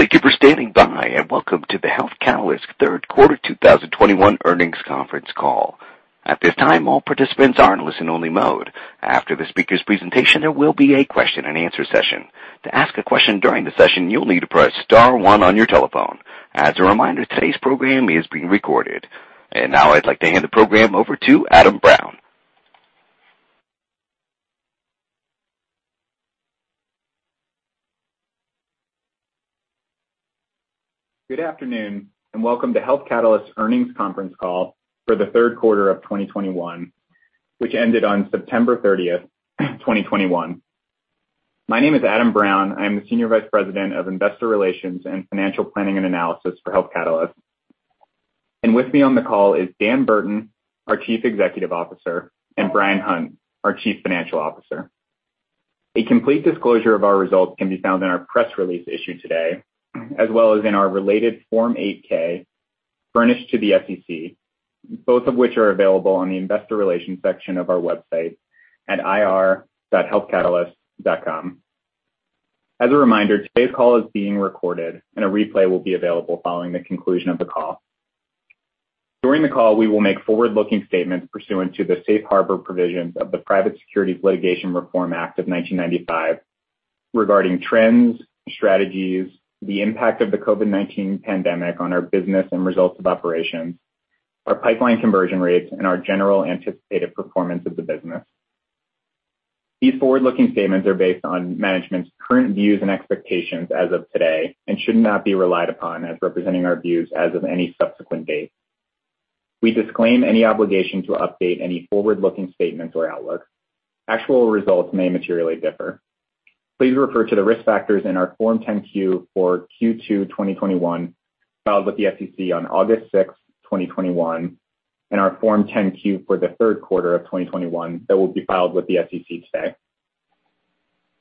Thank you for standing by, and welcome to the Health Catalyst third quarter 2021 earnings conference call. At this time, all participants are in listen-only mode. After the speaker's presentation, there will be a question-and-answer session. To ask a question during the session, you'll need to press star one on your telephone. As a reminder, today's program is being recorded. Now I'd like to hand the program over to Adam Brown. Good afternoon, welcome to Health Catalyst's earnings conference call for the third quarter of 2021, which ended on September 30th, 2021. My name is Adam Brown. I am the Senior Vice President of Investor Relations and Financial Planning and Analysis for Health Catalyst. With me on the call is Dan Burton, our Chief Executive Officer, and Bryan Hunt, our Chief Financial Officer. A complete disclosure of our results can be found in our press release issued today, as well as in our related Form 8-K furnished to the SEC, both of which are available on the investor relations section of our website at ir.healthcatalyst.com. As a reminder, today's call is being recorded and a replay will be available following the conclusion of the call. During the call, we will make forward-looking statements pursuant to the safe harbor provisions of the Private Securities Litigation Reform Act of 1995 regarding trends, strategies, the impact of the COVID-19 pandemic on our business and results of operations, our pipeline conversion rates, and our general anticipated performance of the business. These forward-looking statements are based on management's current views and expectations as of today and should not be relied upon as representing our views as of any subsequent date. We disclaim any obligation to update any forward-looking statements or outlook. Actual results may materially differ. Please refer to the risk factors in our Form 10-Q for Q2 2021 filed with the SEC on August 6, 2021, and our Form 10-Q for the third quarter of 2021 that will be filed with the SEC today.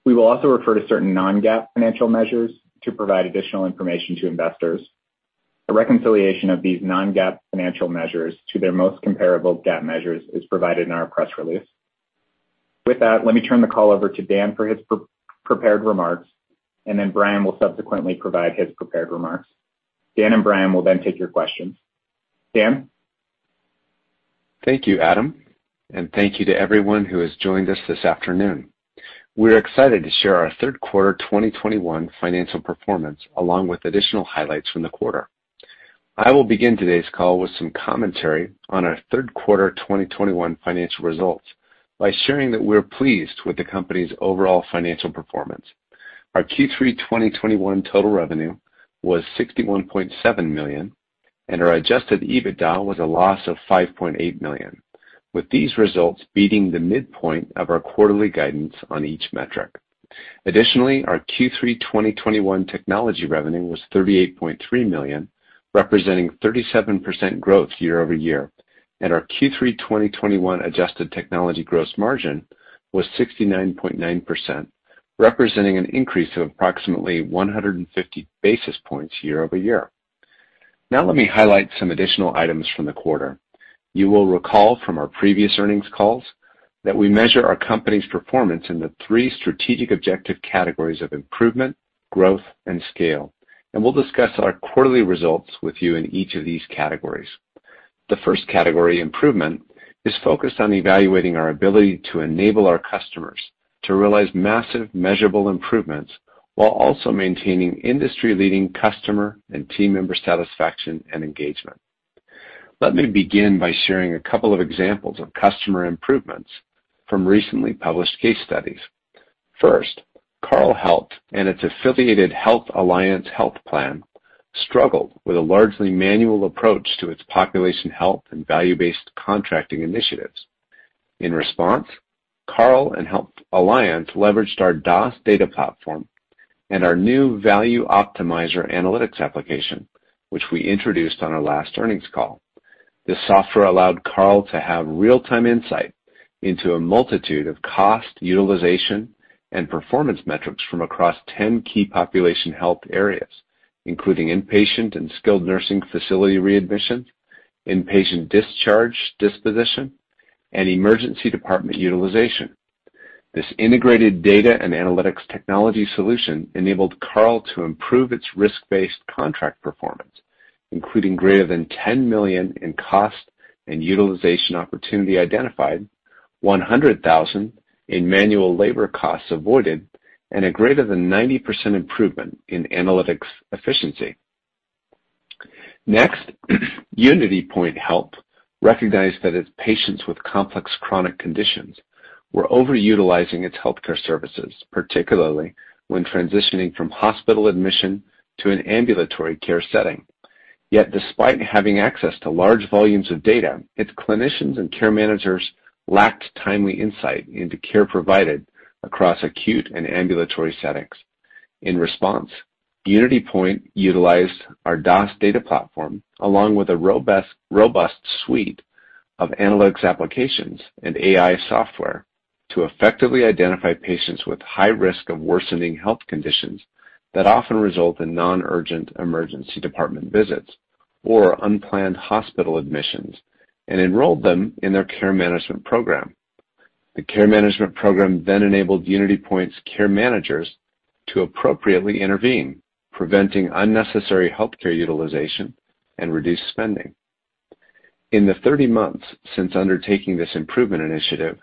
We will also refer to certain non-GAAP financial measures to provide additional information to investors. A reconciliation of these non-GAAP financial measures to their most comparable GAAP measures is provided in our press release. With that, let me turn the call over to Dan for his pre-prepared remarks, and then Bryan will subsequently provide his prepared remarks. Dan and Bryan will then take your questions. Dan? Thank you, Adam, and thank you to everyone who has joined us this afternoon. We're excited to share our third quarter 2021 financial performance along with additional highlights from the quarter. I will begin today's call with some commentary on our third quarter 2021 financial results by sharing that we're pleased with the company's overall financial performance. Our Q3 2021 total revenue was $61.7 million, and our adjusted EBITDA was a loss of $5.8 million, with these results beating the midpoint of our quarterly guidance on each metric. Additionally, our Q3 2021 technology revenue was $38.3 million, representing 37% growth year-over-year. Our Q3 2021 adjusted technology gross margin was 69.9%, representing an increase of approximately 150 basis points year-over-year. Now let me highlight some additional items from the quarter. You will recall from our previous earnings calls that we measure our company's performance in the three strategic objective categories of improvement, growth, and scale, and we'll discuss our quarterly results with you in each of these categories. The first category, improvement, is focused on evaluating our ability to enable our customers to realize massive measurable improvements while also maintaining industry-leading customer and team member satisfaction and engagement. Let me begin by sharing a couple of examples of customer improvements from recently published case studies. First, Carle Health and its affiliated Health Alliance Health Plan struggled with a largely manual approach to its Population Health and value-based contracting initiatives. In response, Carle Health and Health Alliance leveraged our DOS data platform and our new Value Optimizer analytics application, which we introduced on our last earnings call. This software allowed Carle to have real-time insight into a multitude of cost, utilization, and performance metrics from across 10 key population health areas, including inpatient and skilled nursing facility readmission, inpatient discharge disposition, and emergency department utilization. This integrated data and analytics technology solution enabled Carle to improve its risk-based contract performance, including greater than $10 million in cost and utilization opportunity identified, $100,000 in manual labor costs avoided, and a greater than 90% improvement in analytics efficiency. Next, UnityPoint Health recognized that its patients with complex chronic conditions were overutilizing its healthcare services, particularly when transitioning from hospital admission to an ambulatory care setting. Yet despite having access to large volumes of data, its clinicians and care managers lacked timely insight into care provided across acute and ambulatory settings. In response, UnityPoint utilized our DOS data platform along with a robust suite of analytics applications and AI software to effectively identify patients with high risk of worsening health conditions that often result in non-urgent emergency department visits or unplanned hospital admissions and enrolled them in their care management program. The care management program then enabled UnityPoint's care managers to appropriately intervene, preventing unnecessary healthcare utilization and reduced spending. In the 30 months since undertaking this improvement initiative,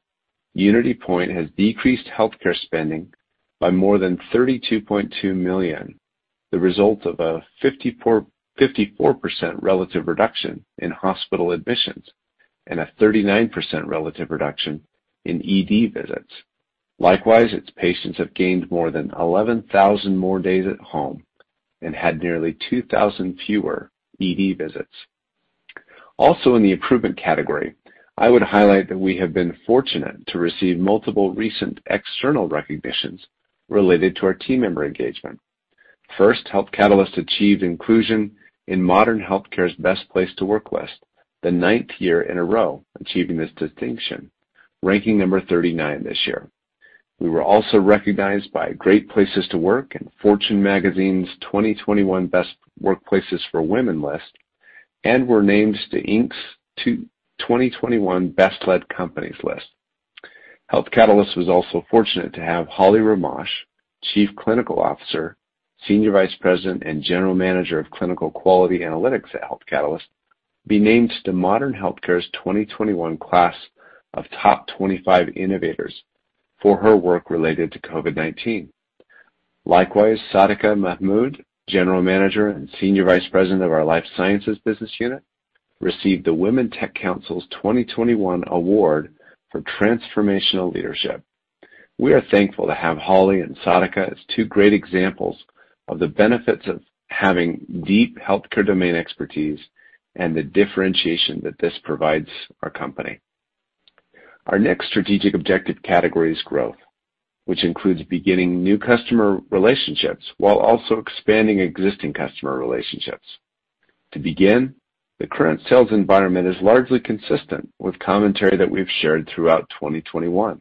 UnityPoint has decreased healthcare spending by more than $32.2 million, the result of a 54% relative reduction in hospital admissions and a 39% relative reduction in ED visits. Likewise, its patients have gained more than 11,000 more days at home and had nearly 2,000 fewer ED visits. Also, in the improvement category, I would highlight that we have been fortunate to receive multiple recent external recognitions related to our team member engagement. First, Health Catalyst achieved inclusion in Modern Healthcare's Best Place to Work list, the 9th year in a row achieving this distinction, ranking number 39 this year. We were also recognized by Great Place to Work and Fortune Magazine's 2021 Best Workplaces for Women list and were named to Inc.'s 2021 Best-Led Companies list. Health Catalyst was also fortunate to have Holly Rimmasch, Chief Clinical Officer, Senior Vice President, and General Manager of Clinical Quality Analytics, Health Catalyst, be named to Modern Healthcare's 2021 class of top 25 innovators for her work related to COVID-19. Likewise, Sadiqa Mahmood, General Manager and Senior Vice President of our Life Sciences Business Unit, received the Women Tech Council's 2021 award for transformational leadership. We are thankful to have Holly and Sadiqa as two great examples of the benefits of having deep healthcare domain expertise and the differentiation that this provides our company. Our next strategic objective category is growth, which includes beginning new customer relationships while also expanding existing customer relationships. To begin, the current sales environment is largely consistent with commentary that we've shared throughout 2021.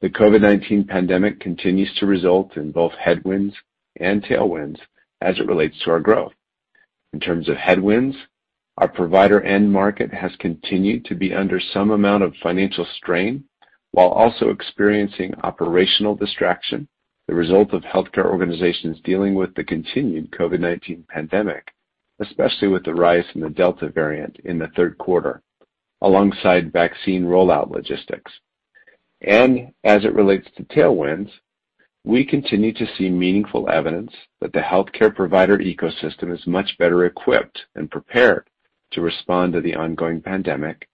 The COVID-19 pandemic continues to result in both headwinds and tailwinds as it relates to our growth. In terms of headwinds, our provider end market has continued to be under some amount of financial strain while also experiencing operational distraction, the result of healthcare organizations dealing with the continued COVID-19 pandemic, especially with the rise in the Delta variant in the third quarter, alongside vaccine rollout logistics. As it relates to tailwinds, we continue to see meaningful evidence that the healthcare provider ecosystem is much better equipped and prepared to respond to the ongoing pandemic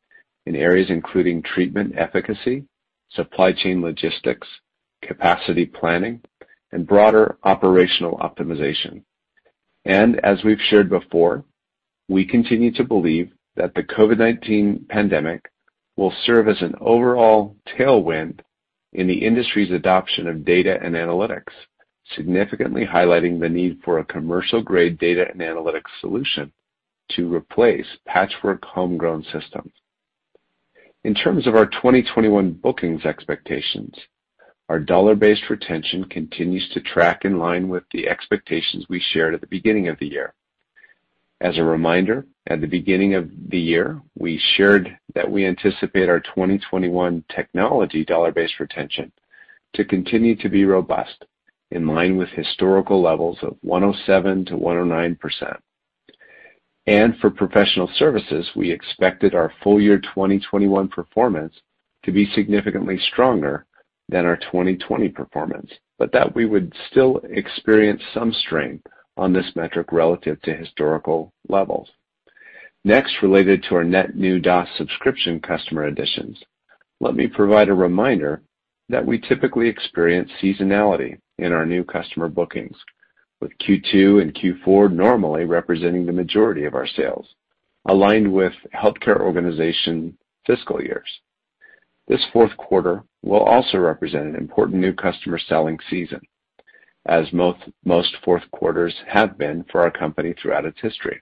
in areas including treatment efficacy, supply chain logistics, capacity planning, and broader operational optimization. As we've shared before, we continue to believe that the COVID-19 pandemic will serve as an overall tailwind in the industry's adoption of data and analytics, significantly highlighting the need for a commercial-grade data and analytics solution to replace patchwork homegrown systems. In terms of our 2021 bookings expectations, our dollar-based retention continues to track in line with the expectations we shared at the beginning of the year. As a reminder, at the beginning of the year, we shared that we anticipate our 2021 technology dollar-based retention to continue to be robust in line with historical levels of 107%-109%. For professional services, we expected our full year 2021 performance to be significantly stronger than our 2020 performance, but that we would still experience some strain on this metric relative to historical levels. Next, related to our net new DOS subscription customer additions, let me provide a reminder that we typically experience seasonality in our new customer bookings, with Q2 and Q4 normally representing the majority of our sales aligned with healthcare organization fiscal years. This fourth quarter will also represent an important new customer selling season as most fourth quarters have been for our company throughout its history.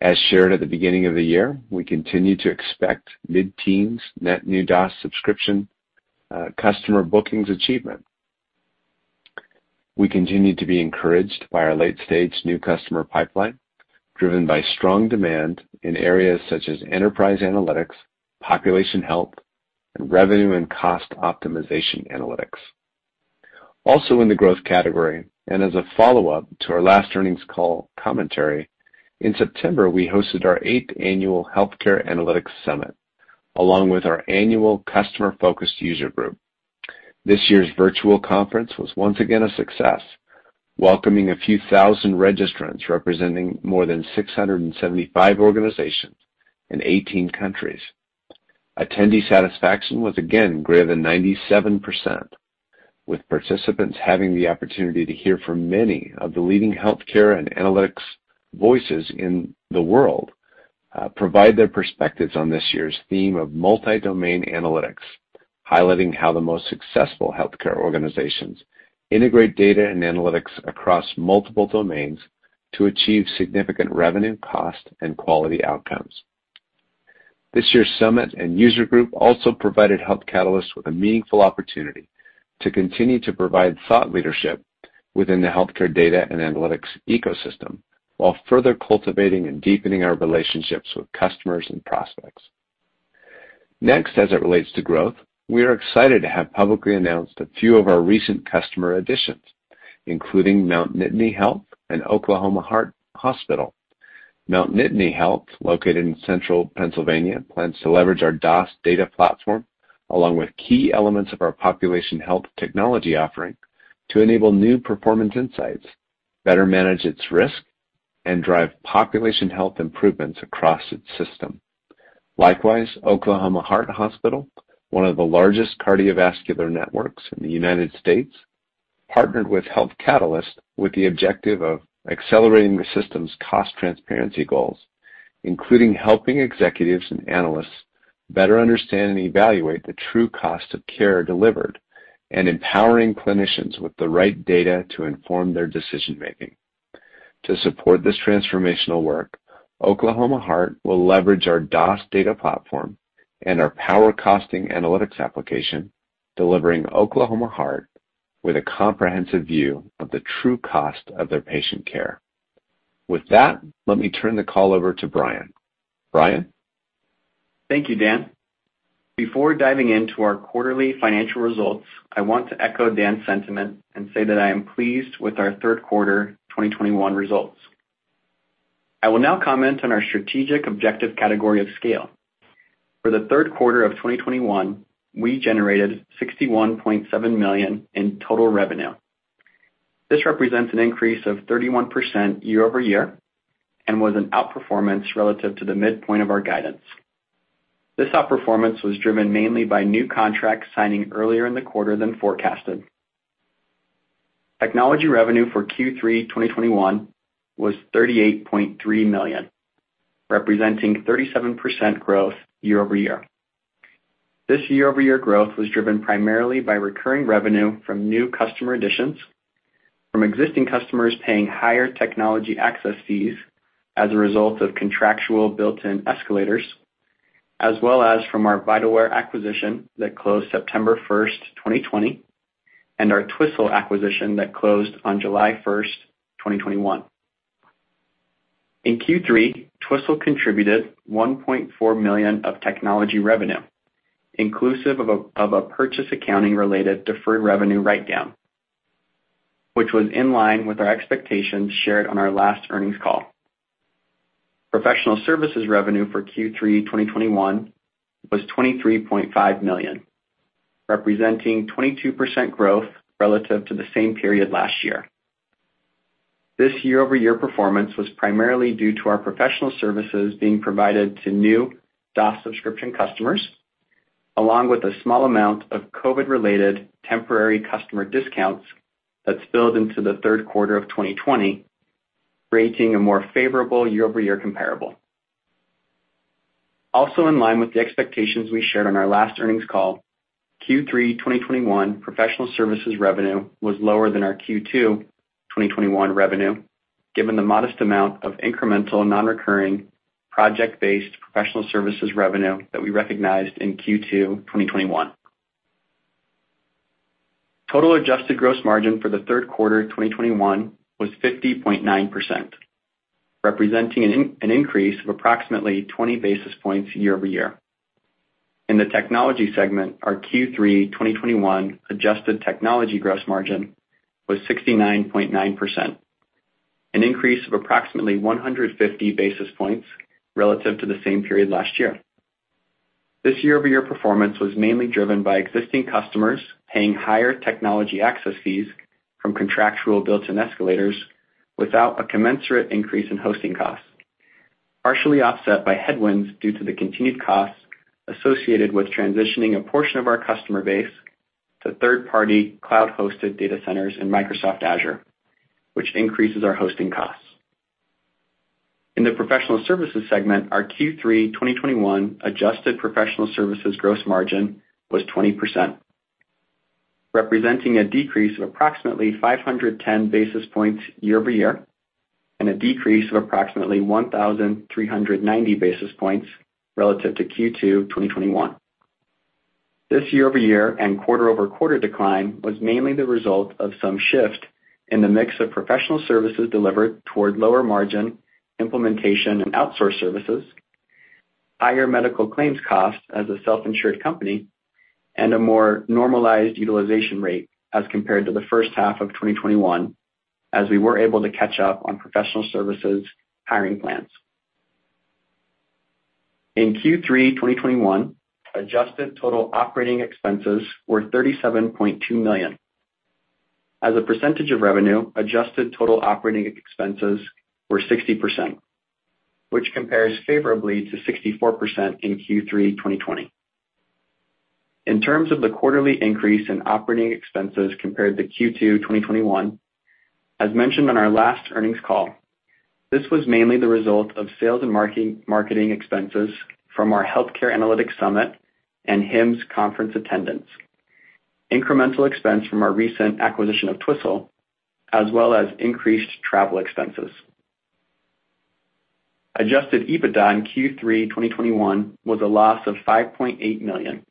As shared at the beginning of the year, we continue to expect mid-teens net new DOS subscription customer bookings achievement. We continue to be encouraged by our late-stage new customer pipeline, driven by strong demand in areas such as enterprise analytics, Population Health, and revenue and cost optimization analytics. Also in the growth category, and as a follow-up to our last earnings call commentary, in September, we hosted our eighth annual Healthcare Analytics Summit, along with our annual customer-focused user group. This year's virtual conference was once again a success, welcoming a few thousand registrants representing more than 675 organizations in 18 countries. Attendee satisfaction was again greater than 97%, with participants having the opportunity to hear from many of the leading healthcare and analytics voices in the world, provide their perspectives on this year's theme of multi-domain analytics, highlighting how the most successful healthcare organizations integrate data and analytics across multiple domains to achieve significant revenue, cost, and quality outcomes. This year's summit and user group also provided Health Catalyst with a meaningful opportunity to continue to provide thought leadership within the healthcare data and analytics ecosystem, while further cultivating and deepening our relationships with customers and prospects. Next, as it relates to growth, we are excited to have publicly announced a few of our recent customer additions, including Mount Nittany Health and Oklahoma Heart Hospital. Mount Nittany Health, located in Central Pennsylvania, plans to leverage our DOS data platform along with key elements of our population health technology offering to enable new performance insights, better manage its risk, and drive population health improvements across its system. Likewise, Oklahoma Heart Hospital, one of the largest cardiovascular networks in the United States, partnered with Health Catalyst with the objective of accelerating the system's cost transparency goals, including helping executives and analysts better understand and evaluate the true cost of care delivered and empowering clinicians with the right data to inform their decision-making. To support this transformational work, Oklahoma Heart will leverage our DOS data platform and our PowerCosting analytics application, delivering Oklahoma Heart with a comprehensive view of the true cost of their patient care. With that, let me turn the call over to Bryan. Bryan? Thank you, Dan. Before diving into our quarterly financial results, I want to echo Dan's sentiment and say that I am pleased with our third quarter 2021 results. I will now comment on our strategic objective category of scale. For the third quarter of 2021, we generated $61.7 million in total revenue. This represents an increase of 31% year-over-year and was an outperformance relative to the midpoint of our guidance. This outperformance was driven mainly by new contracts signing earlier in the quarter than forecasted. Technology revenue for Q3 2021 was $38.3 million, representing 37% growth year-over-year. This year-over-year growth was driven primarily by recurring revenue from new customer additions, from existing customers paying higher technology access fees as a result of contractual built-in escalators, as well as from our Vitalware acquisition that closed September 1st, 2020, and our Twistle acquisition that closed on July 1st, 2021. In Q3, Twistle contributed $1.4 million of technology revenue, inclusive of a purchase accounting-related deferred revenue write-down, which was in line with our expectations shared on our last earnings call. Professional services revenue for Q3 2021 was $23.5 million, representing 22% growth relative to the same period last year. This year-over-year performance was primarily due to our professional services being provided to new DOS subscription customers, along with a small amount of COVID-related temporary customer discounts that spilled into the third quarter of 2020, creating a more favorable year-over-year comparable. Also in line with the expectations we shared on our last earnings call, Q3 2021 professional services revenue was lower than our Q2 2021 revenue, given the modest amount of incremental non-recurring project-based professional services revenue that we recognized in Q2 2021. Total adjusted gross margin for the third quarter 2021 was 50.9%, representing an increase of approximately 20 basis points year-over-year. In the technology segment, our Q3 2021 adjusted technology gross margin was 69.9%, an increase of approximately 150 basis points relative to the same period last year. This year-over-year performance was mainly driven by existing customers paying higher technology access fees from contractual built-in escalators without a commensurate increase in hosting costs, partially offset by headwinds due to the continued costs associated with transitioning a portion of our customer base to third-party cloud-hosted data centers in Microsoft Azure, which increases our hosting costs. In the professional services segment, our Q3 2021 adjusted professional services gross margin was 20%, representing a decrease of approximately 510 basis points year-over-year and a decrease of approximately 1,390 basis points relative to Q2 2021. This year-over-year and quarter-over-quarter decline was mainly the result of some shift in the mix of professional services delivered toward lower margin implementation and outsource services, higher medical claims costs as a self-insured company, and a more normalized utilization rate as compared to the first half of 2021 as we were able to catch up on professional services hiring plans. In Q3 2021, adjusted total operating expenses were $37.2 million. As a percentage of revenue, adjusted total operating expenses were 60%, which compares favorably to 64% in Q3 2020. In terms of the quarterly increase in operating expenses compared to Q2 2021, as mentioned on our last earnings call, this was mainly the result of sales and marketing expenses from our Healthcare Analytics Summit and HIMSS conference attendance, incremental expense from our recent acquisition of Twistle, as well as increased travel expenses. Adjusted EBITDA in Q3 2021 was a loss of $5.8 million,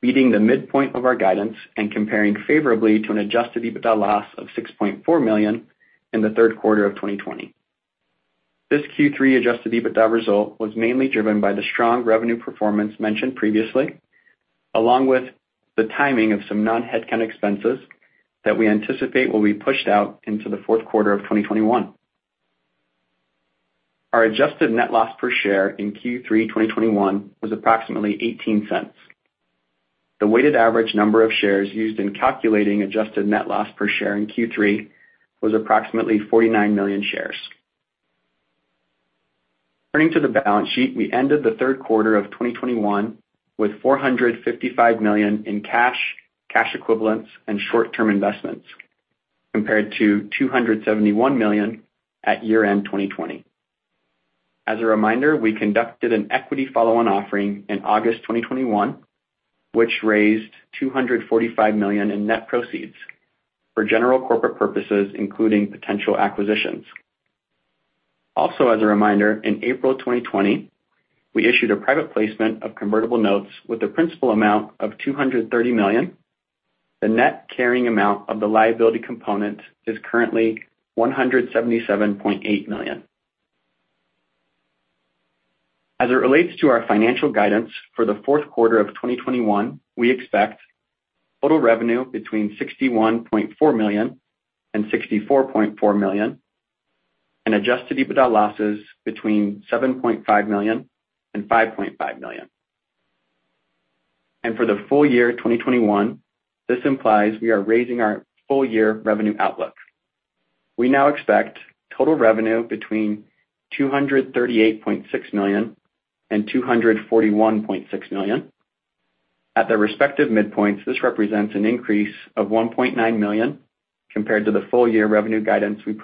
beating the midpoint of our guidance and comparing favorably to an adjusted EBITDA loss of $6.4 million in the third quarter of 2020. This Q3 adjusted EBITDA result was mainly driven by the strong revenue performance mentioned previously, along with the timing of some non-headcount expenses that we anticipate will be pushed out into the fourth quarter of 2021. Our adjusted net loss per share in Q3 2021 was approximately $0.18. The weighted average number of shares used in calculating adjusted net loss per share in Q3 was approximately 49 million shares. Turning to the balance sheet, we ended the third quarter of 2021 with $455 million in cash equivalents, and short-term investments, compared to $271 million at year-end 2020. As a reminder, we conducted an equity follow-on offering in August 2021, which raised $245 million in net proceeds for general corporate purposes, including potential acquisitions. Also, as a reminder, in April 2020, we issued a private placement of convertible notes with a principal amount of $230 million. The net carrying amount of the liability component is currently $177.8 million. As it relates to our financial guidance for the fourth quarter of 2021, we expect total revenue between $61.4 million and $64.4 million and adjusted EBITDA losses between $7.5 million and $5.5 million. For the full year 2021, this implies we are raising our full year revenue outlook. We now expect total revenue between $238.6 million and $241.6 million. At their respective midpoints, this represents an increase of $1.9 million compared to the full year revenue guidance we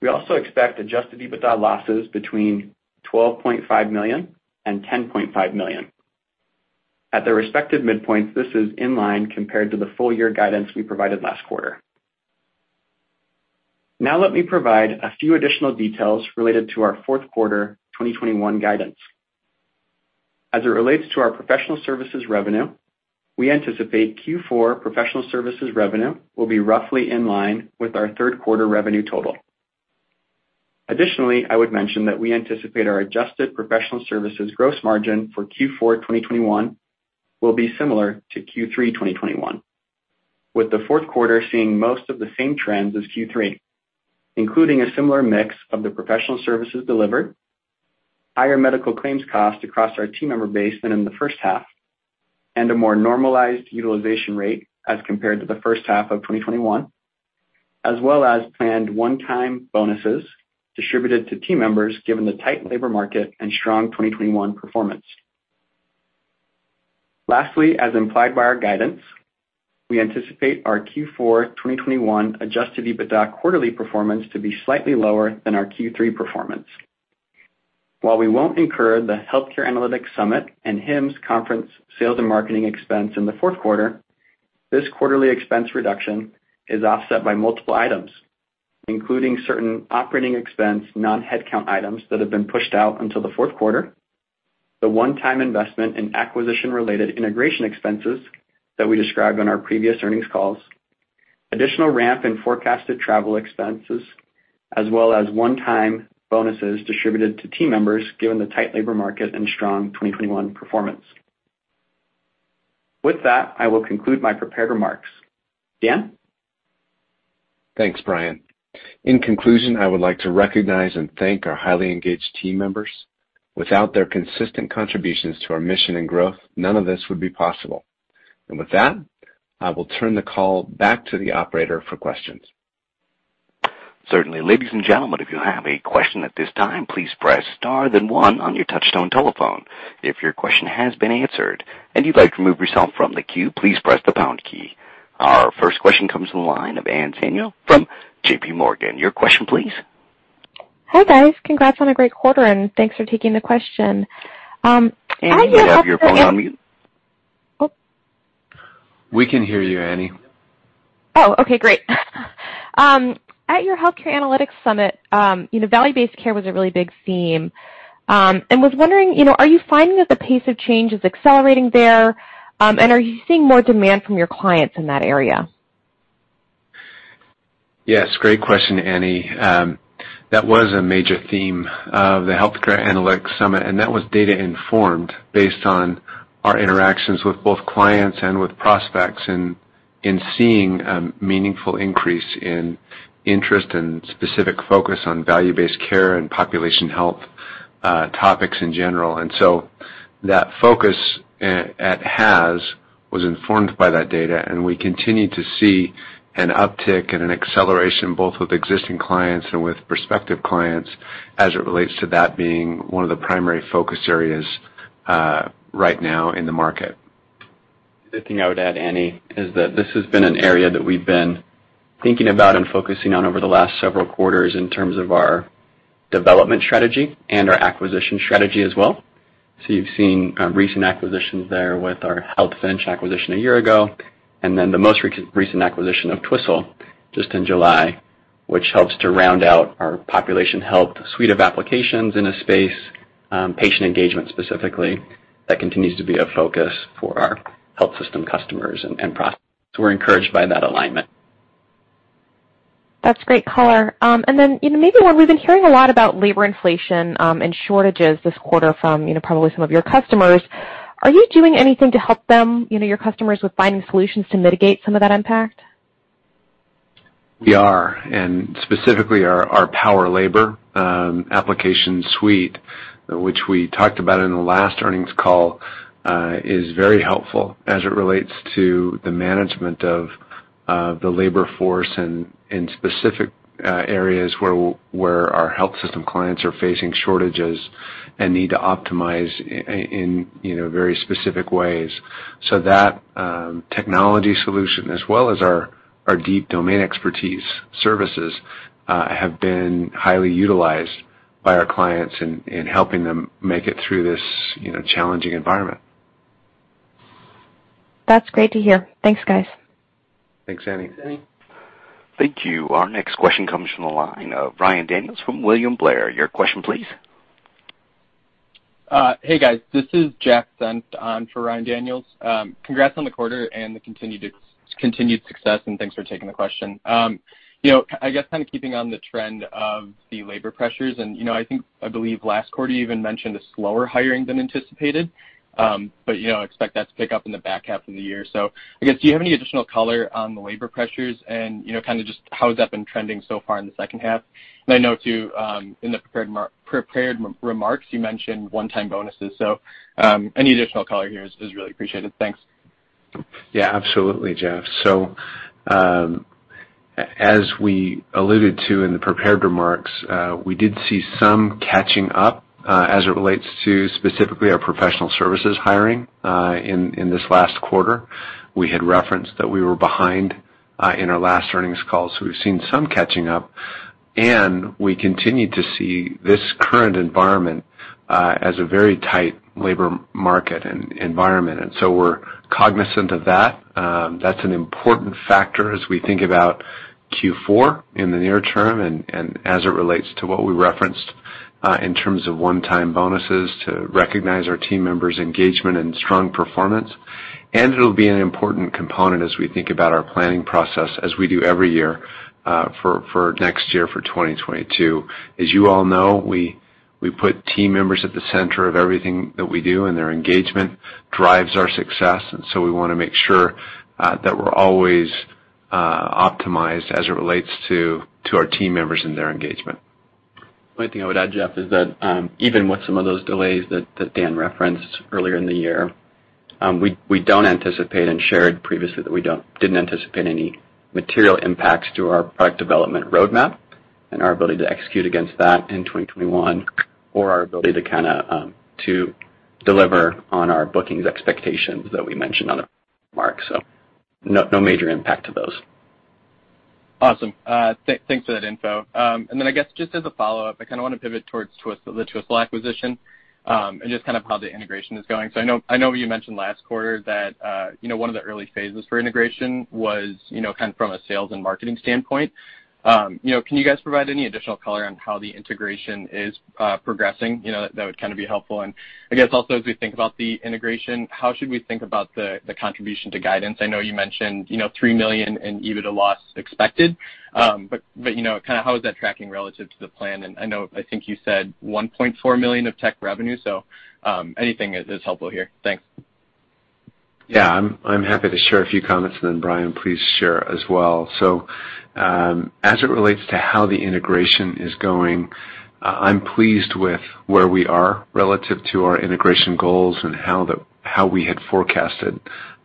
provided last quarter. We also expect adjusted EBITDA losses between $12.5 million and $10.5 million. At their respective midpoints, this is in line compared to the full year guidance we provided last quarter. Now let me provide a few additional details related to our fourth quarter 2021 guidance. As it relates to our professional services revenue, we anticipate Q4 professional services revenue will be roughly in line with our third quarter revenue total. Additionally, I would mention that we anticipate our adjusted professional services gross margin for Q4 2021 will be similar to Q3 2021, with the fourth quarter seeing most of the same trends as Q3, including a similar mix of the professional services delivered, higher medical claims cost across our team member base than in the first half, and a more normalized utilization rate as compared to the first half of 2021, as well as planned one-time bonuses distributed to team members given the tight labor market and strong 2021 performance. Lastly, as implied by our guidance, we anticipate our Q4 2021 adjusted EBITDA quarterly performance to be slightly lower than our Q3 performance. While we won't incur the Healthcare Analytics Summit and HIMSS Conference sales and marketing expense in the fourth quarter, this quarterly expense reduction is offset by multiple items, including certain operating expense non-headcount items that have been pushed out until the fourth quarter, the one-time investment in acquisition-related integration expenses that we described on our previous earnings calls, additional ramp in forecasted travel expenses, as well as one-time bonuses distributed to team members given the tight labor market and strong 2021 performance. With that, I will conclude my prepared remarks. Dan? Thanks, Bryan. In conclusion, I would like to recognize and thank our highly engaged team members. Without their consistent contributions to our mission and growth, none of this would be possible. With that, I will turn the call back to the operator for questions. Certainly. Ladies and gentlemen, if you have a question at this time, please press star then one on your touchtone telephone. If your question has been answered and you'd like to remove yourself from the queue, please press the pound key. Our first question comes from the line of Anne Samuel from JPMorgan. Your question, please. Hi, guys. Congrats on a great quarter, and thanks for taking the question. I have. Anne, do you have your phone on mute? Oh. We can hear you, Anne. Oh, okay, great. At your Healthcare Analytics Summit, you know, value-based care was a really big theme. I was wondering, you know, are you finding that the pace of change is accelerating there? Are you seeing more demand from your clients in that area? Yes. Great question, Anne. That was a major theme of the Healthcare Analytics Summit, and that was data informed based on our interactions with both clients and with prospects and in seeing a meaningful increase in interest and specific focus on value-based care and population health topics in general. That focus at HAS was informed by that data, and we continue to see an uptick and an acceleration both with existing clients and with prospective clients as it relates to that being one of the primary focus areas right now in the market. The thing I would add, Anne, is that this has been an area that we've been thinking about and focusing on over the last several quarters in terms of our development strategy and our acquisition strategy as well. You've seen recent acquisitions there with our healthfinch acquisition a year ago, and then the most recent acquisition of Twistle just in July, which helps to round out our Population Health suite of applications in a space, patient engagement specifically. That continues to be a focus for our health system customers and so we're encouraged by that alignment. That's great color. You know, maybe one, we've been hearing a lot about labor inflation and shortages this quarter from, you know, probably some of your customers. Are you doing anything to help them, you know, your customers with finding solutions to mitigate some of that impact? We are, and specifically our PowerLabor application suite, which we talked about in the last earnings call, is very helpful as it relates to the management of the labor force and in specific areas where our health system clients are facing shortages and need to optimize in, you know, very specific ways. That technology solution as well as our deep domain expertise services have been highly utilized by our clients in helping them make it through this, you know, challenging environment. That's great to hear. Thanks, guys. Thanks, Anne. Thanks. Thank you. Our next question comes from the line of Ryan Daniels from William Blair. Your question please. Hey, guys. This is Jeff Garro on for Ryan Daniels. Congrats on the quarter and the continued success, and thanks for taking the question. You know, I guess kind of keeping on the trend of the labor pressures and, you know, I think I believe last quarter you even mentioned a slower hiring than anticipated, but, you know, expect that to pick up in the back half of the year. I guess, do you have any additional color on the labor pressures? And, you know, kind of just how has that been trending so far in the second half? And I know too, in the prepared remarks, you mentioned one-time bonuses. Any additional color here is really appreciated. Thanks. Yeah, absolutely, Jeff. As we alluded to in the prepared remarks, we did see some catching up, as it relates to specifically our professional services hiring, in this last quarter. We had referenced that we were behind, in our last earnings call, so we've seen some catching up. We continue to see this current environment, as a very tight labor market and environment. We're cognizant of that. That's an important factor as we think about Q4 in the near term and, as it relates to what we referenced, in terms of one-time bonuses to recognize our team members' engagement and strong performance. It'll be an important component as we think about our planning process as we do every year, for next year for 2022. As you all know, we put team members at the center of everything that we do, and their engagement drives our success. We wanna make sure that we're always optimized as it relates to our team members and their engagement. One thing I would add, Jeff, is that even with some of those delays that Dan referenced earlier in the year, we don't anticipate and shared previously that we didn't anticipate any material impacts to our product development roadmap and our ability to execute against that in 2021 or our ability to kinda to deliver on our bookings expectations that we mentioned in the remarks. No major impact to those. Awesome. Thanks for that info. Then I guess just as a follow-up, I kinda wanna pivot towards Twistle, the Twistle acquisition, and just kind of how the integration is going. I know you mentioned last quarter that one of the early phases for integration was, you know, kind of from a sales and marketing standpoint. You know, can you guys provide any additional color on how the integration is progressing? You know, that would kinda be helpful. I guess also as we think about the integration, how should we think about the contribution to guidance? I know you mentioned $3 million in EBITDA loss expected. But you know, kinda how is that tracking relative to the plan? I know I think you said $1.4 million of tech revenue. Anything is helpful here. Thanks. Yeah. I'm happy to share a few comments and then Bryan please share as well. As it relates to how the integration is going, I'm pleased with where we are relative to our integration goals and how we had forecasted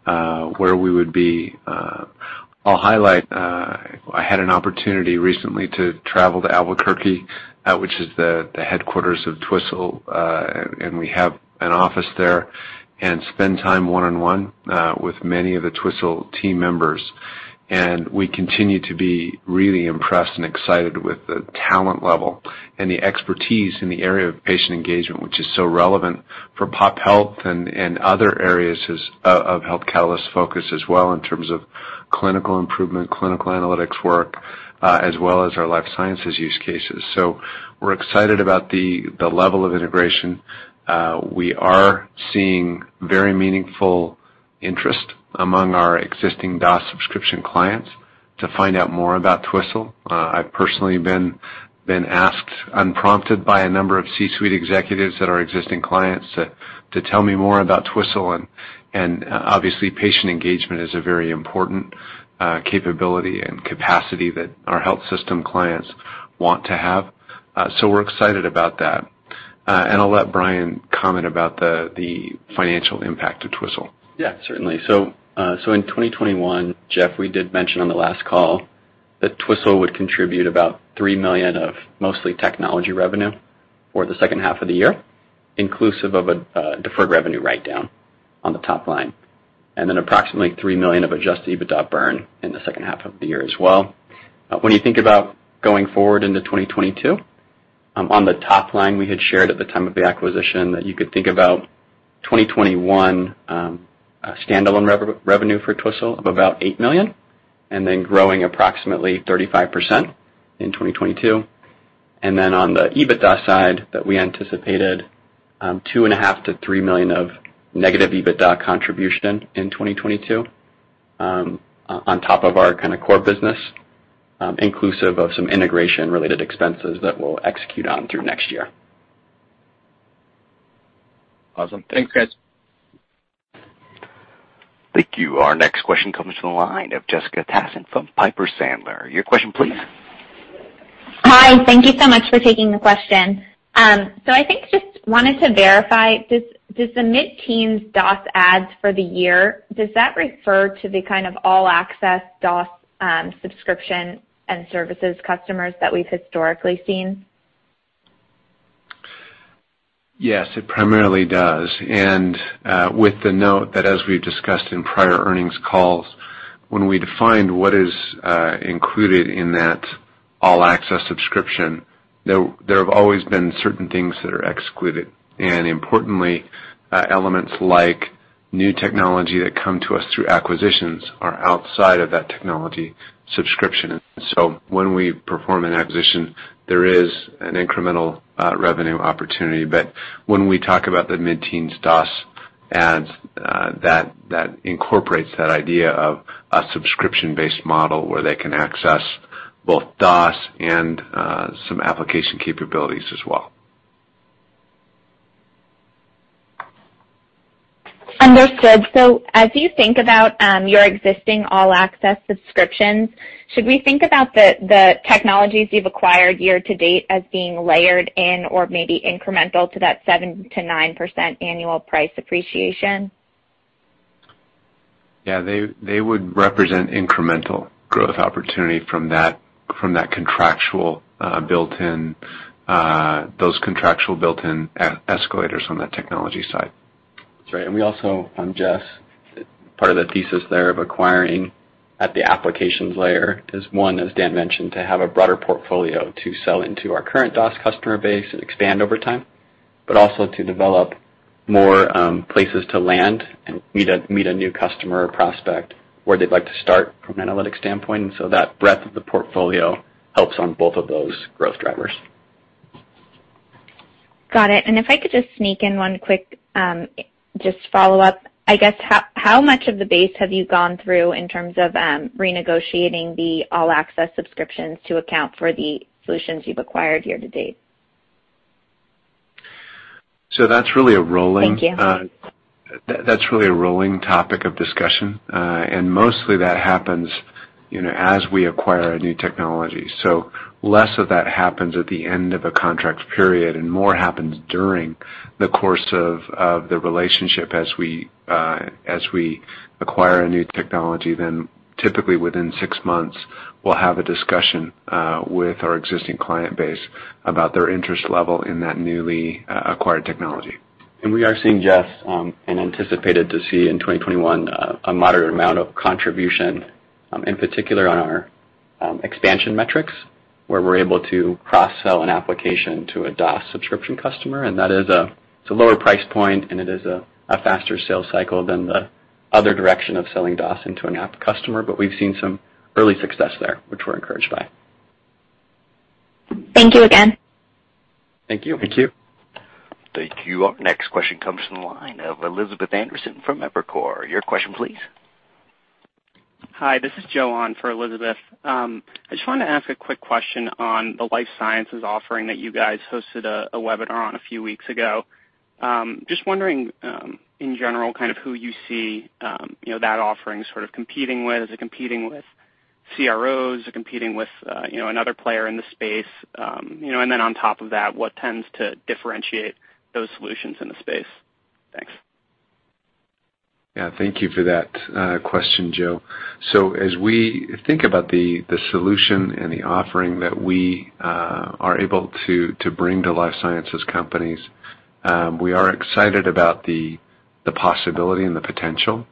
where we would be. I'll highlight, I had an opportunity recently to travel to Albuquerque, which is the headquarters of Twistle, and we have an office there, and spend time one-on-one with many of the Twistle team members. We continue to be really impressed and excited with the talent level and the expertise in the area of patient engagement, which is so relevant for pop health and other areas of Health Catalyst's focus as well in terms of clinical improvement, clinical analytics work, as well as our life sciences use cases. We're excited about the level of integration. We are seeing very meaningful interest among our existing DOS subscription clients to find out more about Twistle. I've personally been asked unprompted by a number of C-suite executives that are existing clients to tell me more about Twistle and obviously patient engagement is a very important capability and capacity that our health system clients want to have. We're excited about that. I'll let Bryan comment about the financial impact of Twistle. Yeah, certainly. In 2021, Jeff, we did mention on the last call that Twistle would contribute about $3 million of mostly technology revenue for the second half of the year, inclusive of a deferred revenue write-down on the top line. Approximately $3 million of adjusted EBITDA burn in the second half of the year as well. When you think about going forward into 2022, on the top line, we had shared at the time of the acquisition that you could think about 2021 standalone revenue for Twistle of about $8 million and then growing approximately 35% in 2022. On the EBITDA side that we anticipated, negative $2.5 million-$3 million EBITDA contribution in 2022, on top of our kind of core business, inclusive of some integration-related expenses that we'll execute on through next year. Awesome. Thanks, guys. Thank you. Our next question comes from the line of Jessica Tassan from Piper Sandler. Your question please. Hi. Thank you so much for taking the question. I think just wanted to verify, does the mid-teens DOS adds for the year, does that refer to the kind of all access DOS, subscription and services customers that we've historically seen? Yes, it primarily does. With the note that as we've discussed in prior earnings calls, when we defined what is included in that all access subscription, there have always been certain things that are excluded. Importantly, elements like new technology that come to us through acquisitions are outside of that technology subscription. When we perform an acquisition, there is an incremental revenue opportunity. When we talk about the mid-teens DOS adds, that incorporates that idea of a subscription-based model where they can access both DOS and some application capabilities as well. Understood. As you think about your existing all access subscriptions, should we think about the technologies you've acquired year to date as being layered in or maybe incremental to that 7%-9% annual price appreciation? Yeah. They would represent incremental growth opportunity from that contractual built-in escalators on the technology side. That's right. We also, Jess, part of the thesis there of acquiring at the applications layer is one, as Dan mentioned, to have a broader portfolio to sell into our current DOS customer base and expand over time, but also to develop more places to land and meet a new customer or prospect where they'd like to start from an analytics standpoint. That breadth of the portfolio helps on both of those growth drivers. Got it. If I could just sneak in one quick, just follow-up. I guess, how much of the base have you gone through in terms of, renegotiating the all access subscriptions to account for the solutions you've acquired year to date? That's really a rolling. Thank you. That's really a rolling topic of discussion. Mostly that happens, you know, as we acquire a new technology. Less of that happens at the end of a contract period, and more happens during the course of the relationship as we acquire a new technology. Typically within 6 months, we'll have a discussion with our existing client base about their interest level in that newly acquired technology. We are seeing success and we anticipate to see in 2021 a moderate amount of contribution, in particular on our expansion metrics, where we're able to cross-sell an application to a DOS subscription customer, and that is a lower price point, and it is a faster sales cycle than the other direction of selling DOS into an app customer. We've seen some early success there, which we're encouraged by. Thank you again. Thank you. Thank you. Thank you. Our next question comes from the line of Elizabeth Anderson from Evercore. Your question please. Hi, this is Joe on for Elizabeth. I just wanted to ask a quick question on the life sciences offering that you guys hosted a webinar on a few weeks ago. Just wondering, in general, kind of who you see that offering sort of competing with. Is it competing with CROs? Is it competing with another player in the space? You know, and then on top of that, what tends to differentiate those solutions in the space? Thanks. Yeah. Thank you for that question, Joe. As we think about the solution and the offering that we are able to bring to life sciences companies, we are excited about the possibility and the potential,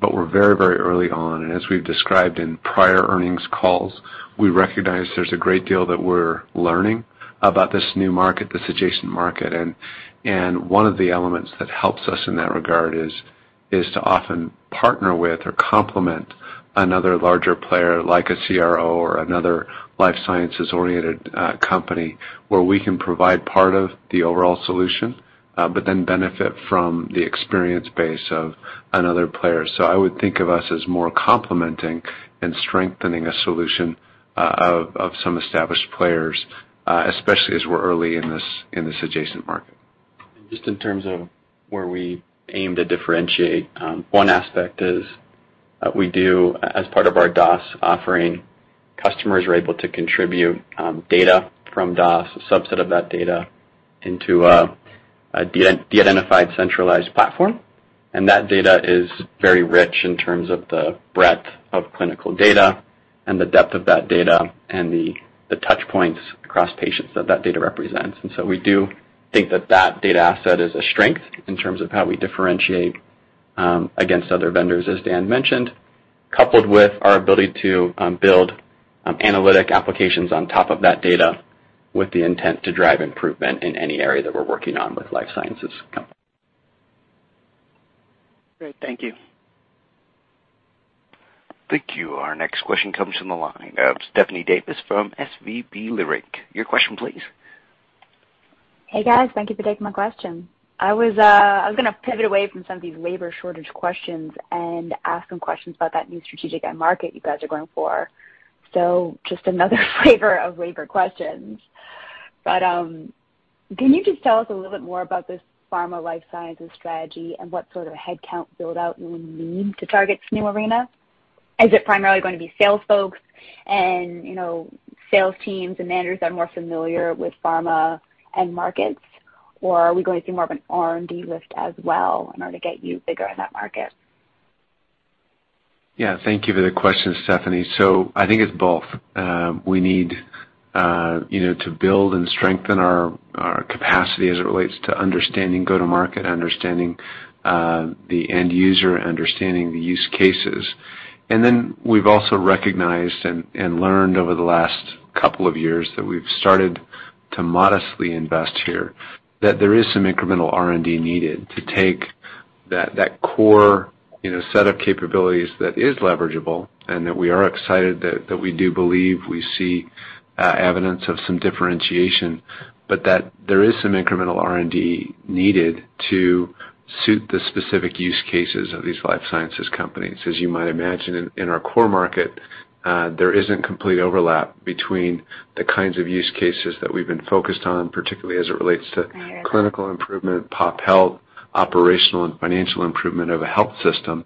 but we're very early on. As we've described in prior earnings calls, we recognize there's a great deal that we're learning about this new market, this adjacent market. One of the elements that helps us in that regard is to often partner with or complement another larger player like a CRO or another life sciences-oriented company, where we can provide part of the overall solution, but then benefit from the experience base of another player. I would think of us as more complementing and strengthening a solution of some established players, especially as we're early in this adjacent market. Just in terms of where we aim to differentiate, one aspect is, we do as part of our DOS offering, customers are able to contribute, data from DOS, a subset of that data into a de-identified centralized platform. That data is very rich in terms of the breadth of clinical data. The depth of that data and the touch points across patients that data represents. We do think that data asset is a strength in terms of how we differentiate against other vendors, as Dan mentioned, coupled with our ability to build analytic applications on top of that data with the intent to drive improvement in any area that we're working on with life sciences companies. Great. Thank you. Thank you. Our next question comes from the line of Stephanie Davis from SVB Leerink. Your question please. Hey, guys. Thank you for taking my question. I was gonna pivot away from some of these labor shortage questions and ask some questions about that new strategic end market you guys are going for. Just another flavor of labor questions. Can you just tell us a little bit more about this pharma life sciences strategy and what sort of headcount build-out you will need to target this new arena? Is it primarily gonna be sales folks and, you know, sales teams and managers that are more familiar with pharma end markets, or are we going to see more of an R&D lift as well in order to get you bigger in that market? Yeah. Thank you for the question, Stephanie. I think it's both. We need, you know, to build and strengthen our capacity as it relates to understanding go-to-market, understanding the end user, understanding the use cases. We've also recognized and learned over the last couple of years that we've started to modestly invest here, that there is some incremental R&D needed to take that core, you know, set of capabilities that is leverageable and that we are excited that we do believe we see evidence of some differentiation, but that there is some incremental R&D needed to suit the specific use cases of these life sciences companies. As you might imagine, in our core market, there isn't complete overlap between the kinds of use cases that we've been focused on, particularly as it relates to clinical improvement, pop health, operational and financial improvement of a health system,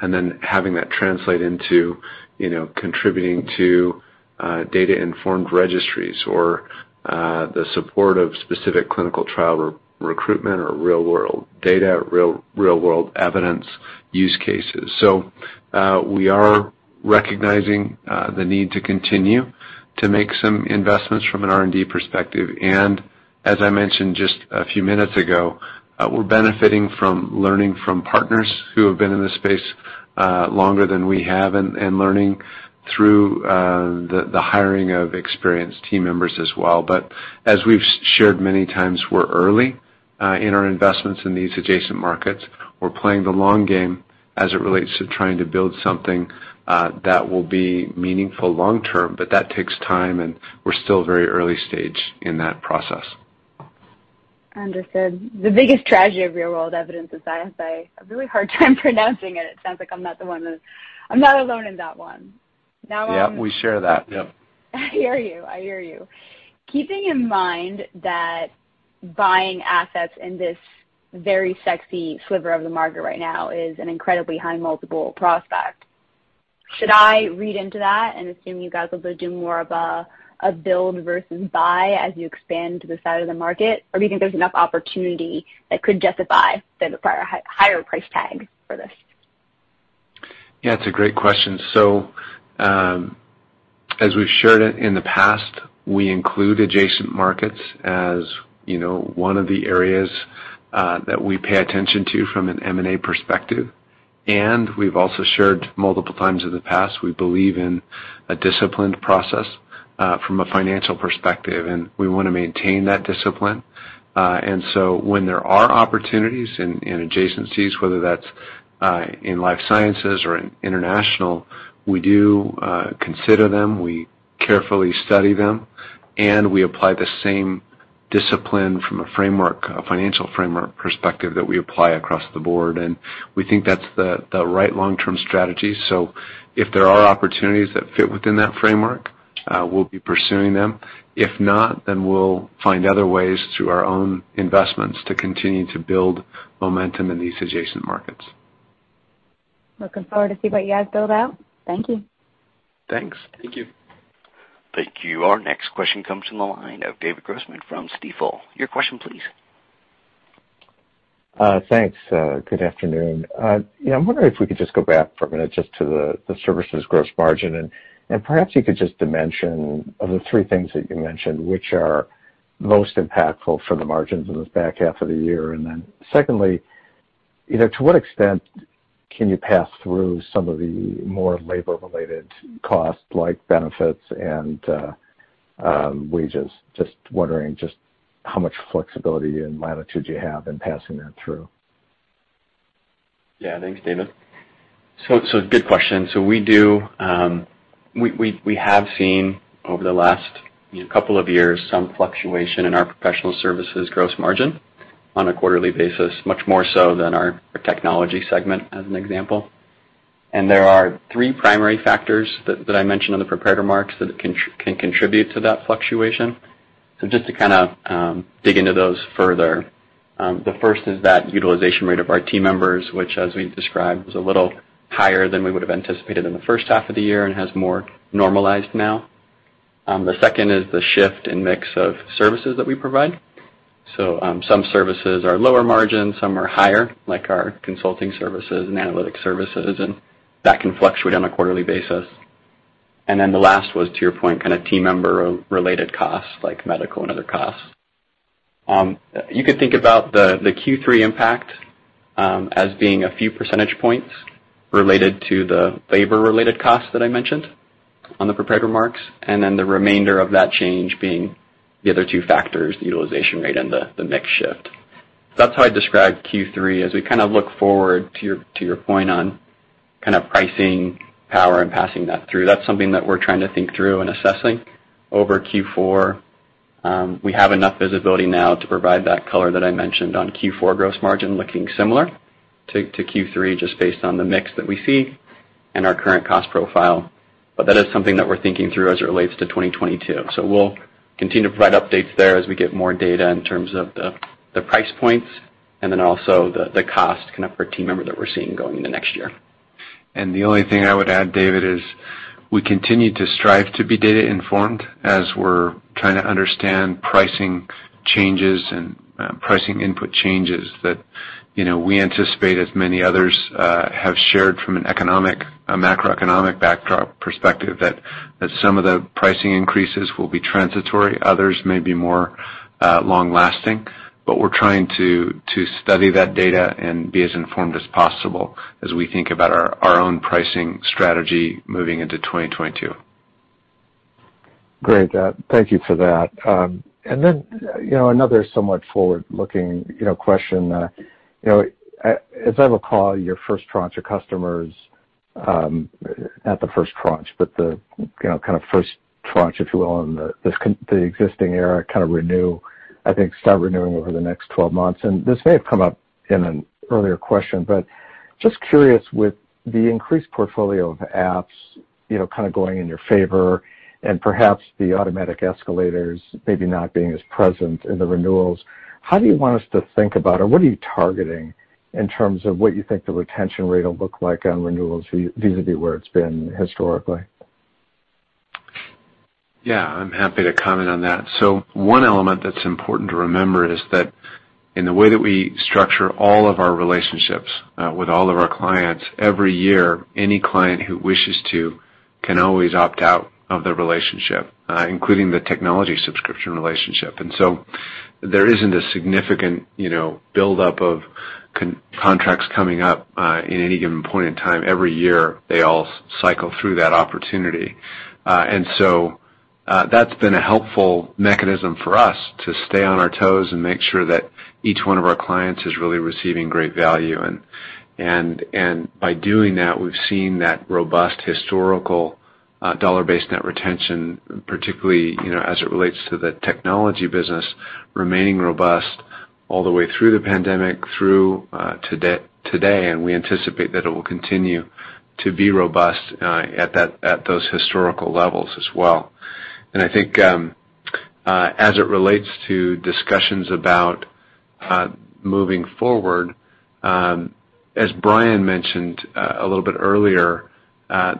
and then having that translate into, you know, contributing to data-informed registries or the support of specific clinical trial recruitment or real-world data, real-world evidence use cases. We are recognizing the need to continue to make some investments from an R&D perspective. As I mentioned just a few minutes ago, we're benefiting from learning from partners who have been in this space longer than we have and learning through the hiring of experienced team members as well. As we've shared many times, we're early in our investments in these adjacent markets. We're playing the long game as it relates to trying to build something, that will be meaningful long term, but that takes time, and we're still very early stage in that process. Understood. The biggest tragedy of real-world evidence is I have to say a really hard time pronouncing it. It sounds like I'm not the one. I'm not alone in that one. Now. Yeah, we share that. Yep. I hear you. I hear you. Keeping in mind that buying assets in this very sexy sliver of the market right now is an incredibly high multiple prospect, should I read into that and assume you guys will be doing more of a build versus buy as you expand to the side of the market? Or do you think there's enough opportunity that could justify the higher price tag for this? Yeah, it's a great question. As we've shared in the past, we include adjacent markets as, you know, one of the areas that we pay attention to from an M&A perspective. We've also shared multiple times in the past, we believe in a disciplined process from a financial perspective, and we wanna maintain that discipline. When there are opportunities in adjacencies, whether that's in life sciences or in international, we do consider them, we carefully study them, and we apply the same discipline from a framework, a financial framework perspective that we apply across the board. We think that's the right long-term strategy. If there are opportunities that fit within that framework, we'll be pursuing them. If not, then we'll find other ways through our own investments to continue to build momentum in these adjacent markets. Looking forward to see what you guys build out. Thank you. Thanks. Thank you. Thank you. Our next question comes from the line of David Grossman from Stifel. Your question please. Thanks. Good afternoon. You know, I'm wondering if we could just go back for a minute just to the services gross margin. Perhaps you could just dimension of the three things that you mentioned, which are most impactful for the margins in the back half of the year. Then secondly, you know, to what extent can you pass through some of the more labor-related costs like benefits and wages? Just wondering just how much flexibility and latitude you have in passing that through. Yeah. Thanks, David. Good question. We have seen over the last, you know, couple of years some fluctuation in our professional services gross margin on a quarterly basis, much more so than our technology segment, as an example. There are three primary factors that I mentioned in the prepared remarks that can contribute to that fluctuation. Just to kinda dig into those further, the first is that utilization rate of our team members, which as we described, was a little higher than we would've anticipated in the first half of the year and has more normalized now. The second is the shift in mix of services that we provide. Some services are lower margin, some are higher, like our consulting services and analytics services, and that can fluctuate on a quarterly basis. The last was, to your point, kind of team member-related costs, like medical and other costs. You could think about the Q3 impact as being a few percentage points related to the labor-related costs that I mentioned on the prepared remarks, and then the remainder of that change being the other two factors, the utilization rate and the mix shift. That's how I describe Q3 as we kind of look forward to your point on kind of pricing power and passing that through. That's something that we're trying to think through and assessing over Q4. We have enough visibility now to provide that color that I mentioned on Q4 gross margin looking similar to Q3 just based on the mix that we see and our current cost profile. That is something that we're thinking through as it relates to 2022. We'll continue to provide updates there as we get more data in terms of the price points and then also the cost kind of per team member that we're seeing going in the next year. The only thing I would add, David, is we continue to strive to be data informed as we're trying to understand pricing changes and pricing input changes that, you know, we anticipate as many others have shared from a macroeconomic backdrop perspective that some of the pricing increases will be transitory, others may be more long-lasting. We're trying to study that data and be as informed as possible as we think about our own pricing strategy moving into 2022. Great. Thank you for that. You know, another somewhat forward-looking, you know, question. You know, if I recall your first tranche of customers, not the first tranche, but the, you know, kind of first tranche, if you will, on the existing era kind of renew, I think, start renewing over the next 12 months. This may have come up in an earlier question, but just curious with the increased portfolio of apps, you know, kind of going in your favor and perhaps the automatic escalators maybe not being as present in the renewals, how do you want us to think about or what are you targeting in terms of what you think the retention rate will look like on renewals vis-a-vis where it's been historically? Yeah, I'm happy to comment on that. One element that's important to remember is that in the way that we structure all of our relationships, with all of our clients, every year, any client who wishes to can always opt out of the relationship, including the technology subscription relationship. There isn't a significant, you know, buildup of contracts coming up, in any given point in time. Every year, they all cycle through that opportunity. That's been a helpful mechanism for us to stay on our toes and make sure that each one of our clients is really receiving great value. By doing that, we've seen that robust historical dollar-based net retention, particularly, you know, as it relates to the technology business remaining robust all the way through the pandemic through today, and we anticipate that it will continue to be robust at those historical levels as well. I think as it relates to discussions about moving forward, as Bryan mentioned a little bit earlier,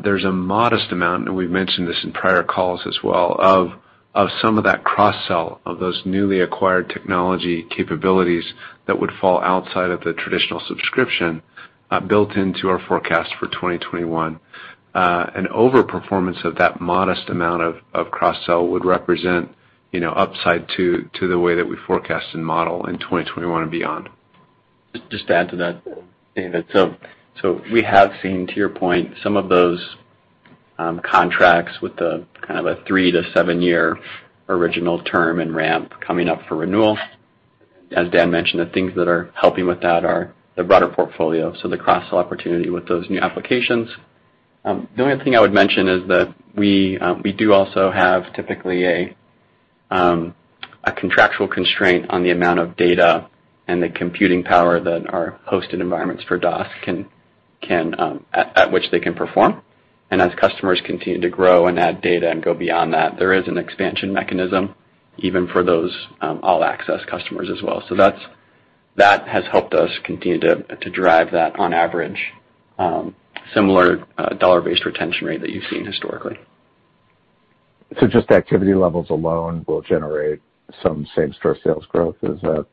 there's a modest amount, and we've mentioned this in prior calls as well, of some of that cross-sell of those newly acquired technology capabilities that would fall outside of the traditional subscription built into our forecast for 2021. An overperformance of that modest amount of cross-sell would represent, you know, upside to the way that we forecast and model in 2021 and beyond. Just to add to that, David. We have seen, to your point, some of those contracts with the kind of a 3-7-year original term and ramp coming up for renewal. As Dan mentioned, the things that are helping with that are the broader portfolio, so the cross-sell opportunity with those new applications. The only thing I would mention is that we do also have typically a contractual constraint on the amount of data and the computing power that our hosted environments for DOS can at which they can perform. As customers continue to grow and add data and go beyond that, there is an expansion mechanism even for those all access customers as well. That has helped us continue to drive that on average similar dollar-based retention rate that you've seen historically. Just activity levels alone will generate some same-store sales growth. Is that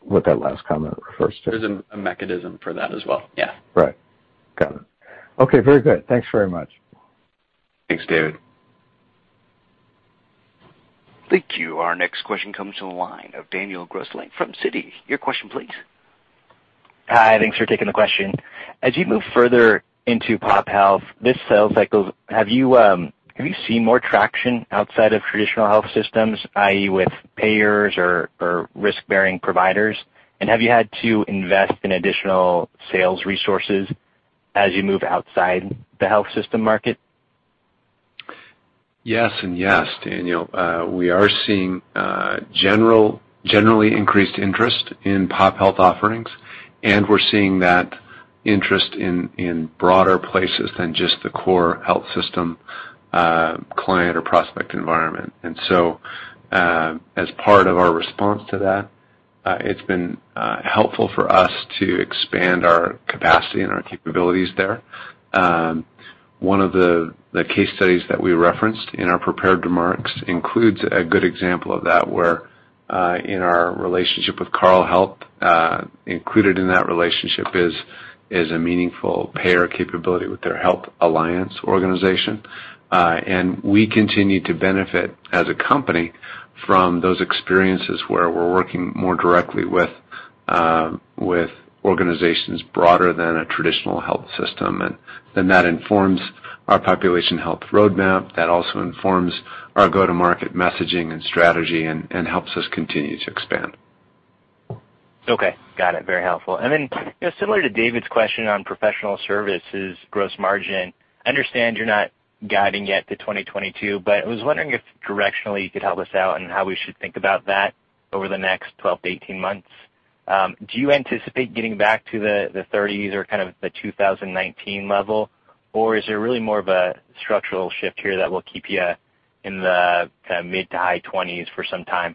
what that last comment refers to? There's a mechanism for that as well. Yeah. Right. Got it. Okay, very good. Thanks very much. Thanks, David. Thank you. Our next question comes from the line of Daniel Grosslight from Citi. Your question please. Hi. Thanks for taking the question. As you move further into Population Health, this sales cycle, have you seen more traction outside of traditional health systems, i.e., with payers or risk-bearing providers? Have you had to invest in additional sales resources as you move outside the health system market? Yes and yes, Daniel. We are seeing generally increased interest in Population Health offerings, and we're seeing that interest in broader places than just the core health system client or prospect environment. As part of our response to that, it's been helpful for us to expand our capacity and our capabilities there. One of the case studies that we referenced in our prepared remarks includes a good example of that, where in our relationship with Carle Health, included in that relationship is a meaningful payer capability with their Health Alliance organization. We continue to benefit as a company from those experiences where we're working more directly with organizations broader than a traditional health system. That informs our Population Health roadmap. That also informs our go-to-market messaging and strategy and helps us continue to expand. Okay, got it. Very helpful. Then, you know, similar to David's question on professional services gross margin, I understand you're not guiding yet to 2022, but I was wondering if directionally you could help us out on how we should think about that over the next 12 to 18 months. Do you anticipate getting back to the 30s or kind of the 2019 level, or is there really more of a structural shift here that will keep you in the kind of mid- to high 20s for some time?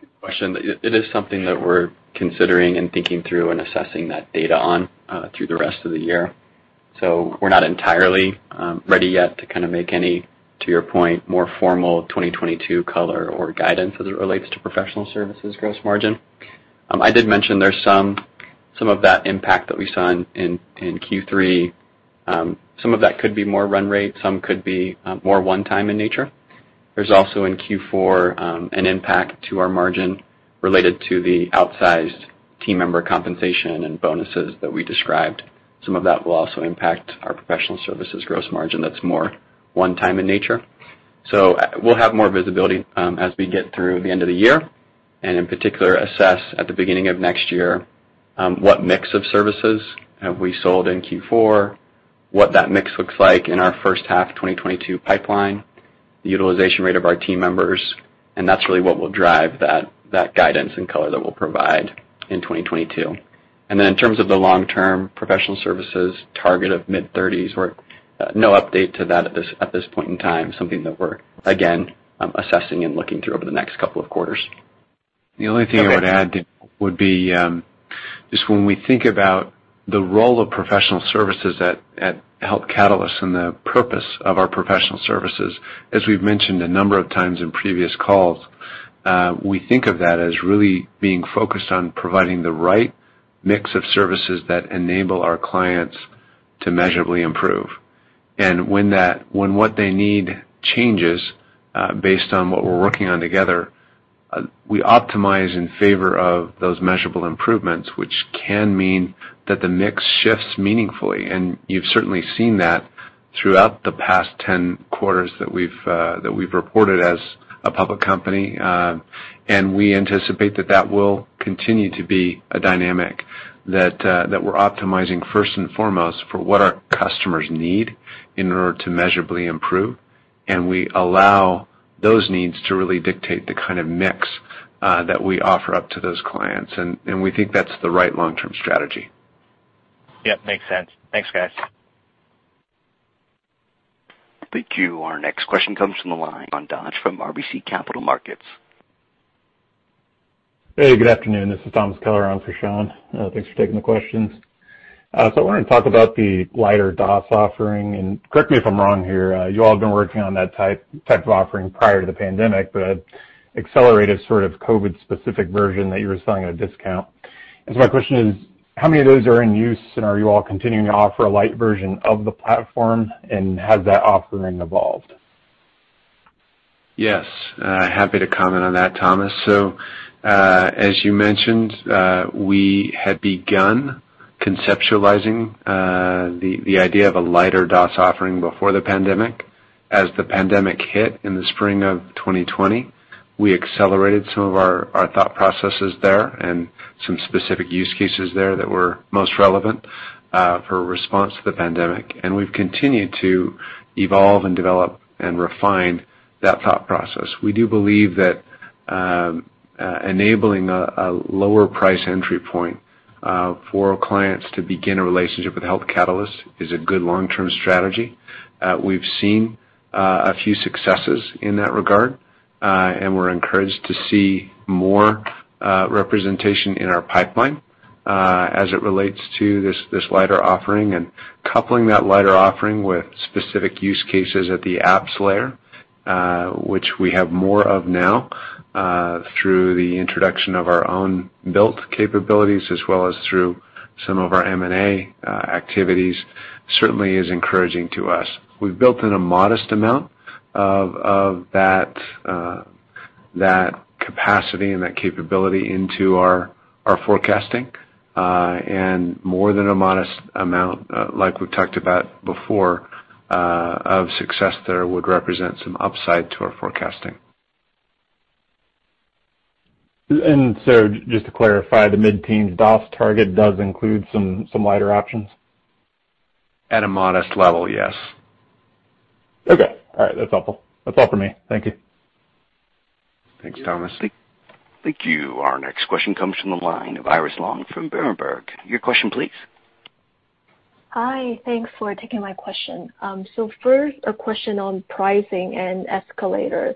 Good question. It is something that we're considering and thinking through and assessing that data on through the rest of the year. We're not entirely ready yet to kinda make any, to your point, more formal 2022 color or guidance as it relates to professional services gross margin. I did mention there's some of that impact that we saw in Q3. Some of that could be more run rate, some could be more one-time in nature. There's also in Q4 an impact to our margin related to the outsized team member compensation and bonuses that we described. Some of that will also impact our professional services gross margin that's more one-time in nature. We'll have more visibility as we get through the end of the year, and in particular, we'll assess at the beginning of next year what mix of services have we sold in Q4, what that mix looks like in our first half 2022 pipeline, the utilization rate of our team members, and that's really what will drive that guidance and color that we'll provide in 2022. Then in terms of the long-term professional services target of mid-thirties, we have no update to that at this point in time. Something that we're again assessing and looking through over the next couple of quarters. The only thing I would add, Daniel, would be just when we think about the role of professional services at Health Catalyst and the purpose of our professional services, as we've mentioned a number of times in previous calls, we think of that as really being focused on providing the right mix of services that enable our clients to measurably improve. When what they need changes, based on what we're working on together, we optimize in favor of those measurable improvements, which can mean that the mix shifts meaningfully. You've certainly seen that throughout the past 10 quarters that we've reported as a public company. We anticipate that will continue to be a dynamic that we're optimizing first and foremost for what our customers need in order to measurably improve, and we allow those needs to really dictate the kind of mix that we offer up to those clients. We think that's the right long-term strategy. Yep, makes sense. Thanks, guys. Thank you. Our next question comes from the line of Sean Dodge from RBC Capital Markets. Hey, good afternoon. This is Thomas Kelliher on for Sean Dodge. Thanks for taking the questions. So I wanted to talk about the lighter DOS offering, and correct me if I'm wrong here, you all have been working on that type of offering prior to the pandemic, but accelerated sort of COVID-specific version that you were selling at a discount. My question is, how many of those are in use, and are you all continuing to offer a light version of the platform, and has that offering evolved? Yes, happy to comment on that, Thomas. As you mentioned, we had begun conceptualizing the idea of a lighter DOS offering before the pandemic. As the pandemic hit in the spring of 2020, we accelerated some of our thought processes there and some specific use cases there that were most relevant for a response to the pandemic, and we've continued to evolve and develop and refine that thought process. We do believe that enabling a lower price entry point for clients to begin a relationship with Health Catalyst is a good long-term strategy. We've seen a few successes in that regard, and we're encouraged to see more representation in our pipeline as it relates to this lighter offering. Coupling that lighter offering with specific use cases at the apps layer, which we have more of now, through the introduction of our own built capabilities as well as through some of our M&A activities, certainly is encouraging to us. We've built in a modest amount of that capacity and that capability into our forecasting, and more than a modest amount, like we've talked about before, of success there would represent some upside to our forecasting. Just to clarify, the mid-teen DOS target does include some lighter options? At a modest level, yes. Okay. All right. That's helpful. That's all for me. Thank you. Thanks, Thomas. Thank you. Our next question comes from the line of Iris Long from Berenberg. Your question, please. Hi. Thanks for taking my question. First, a question on pricing and escalator.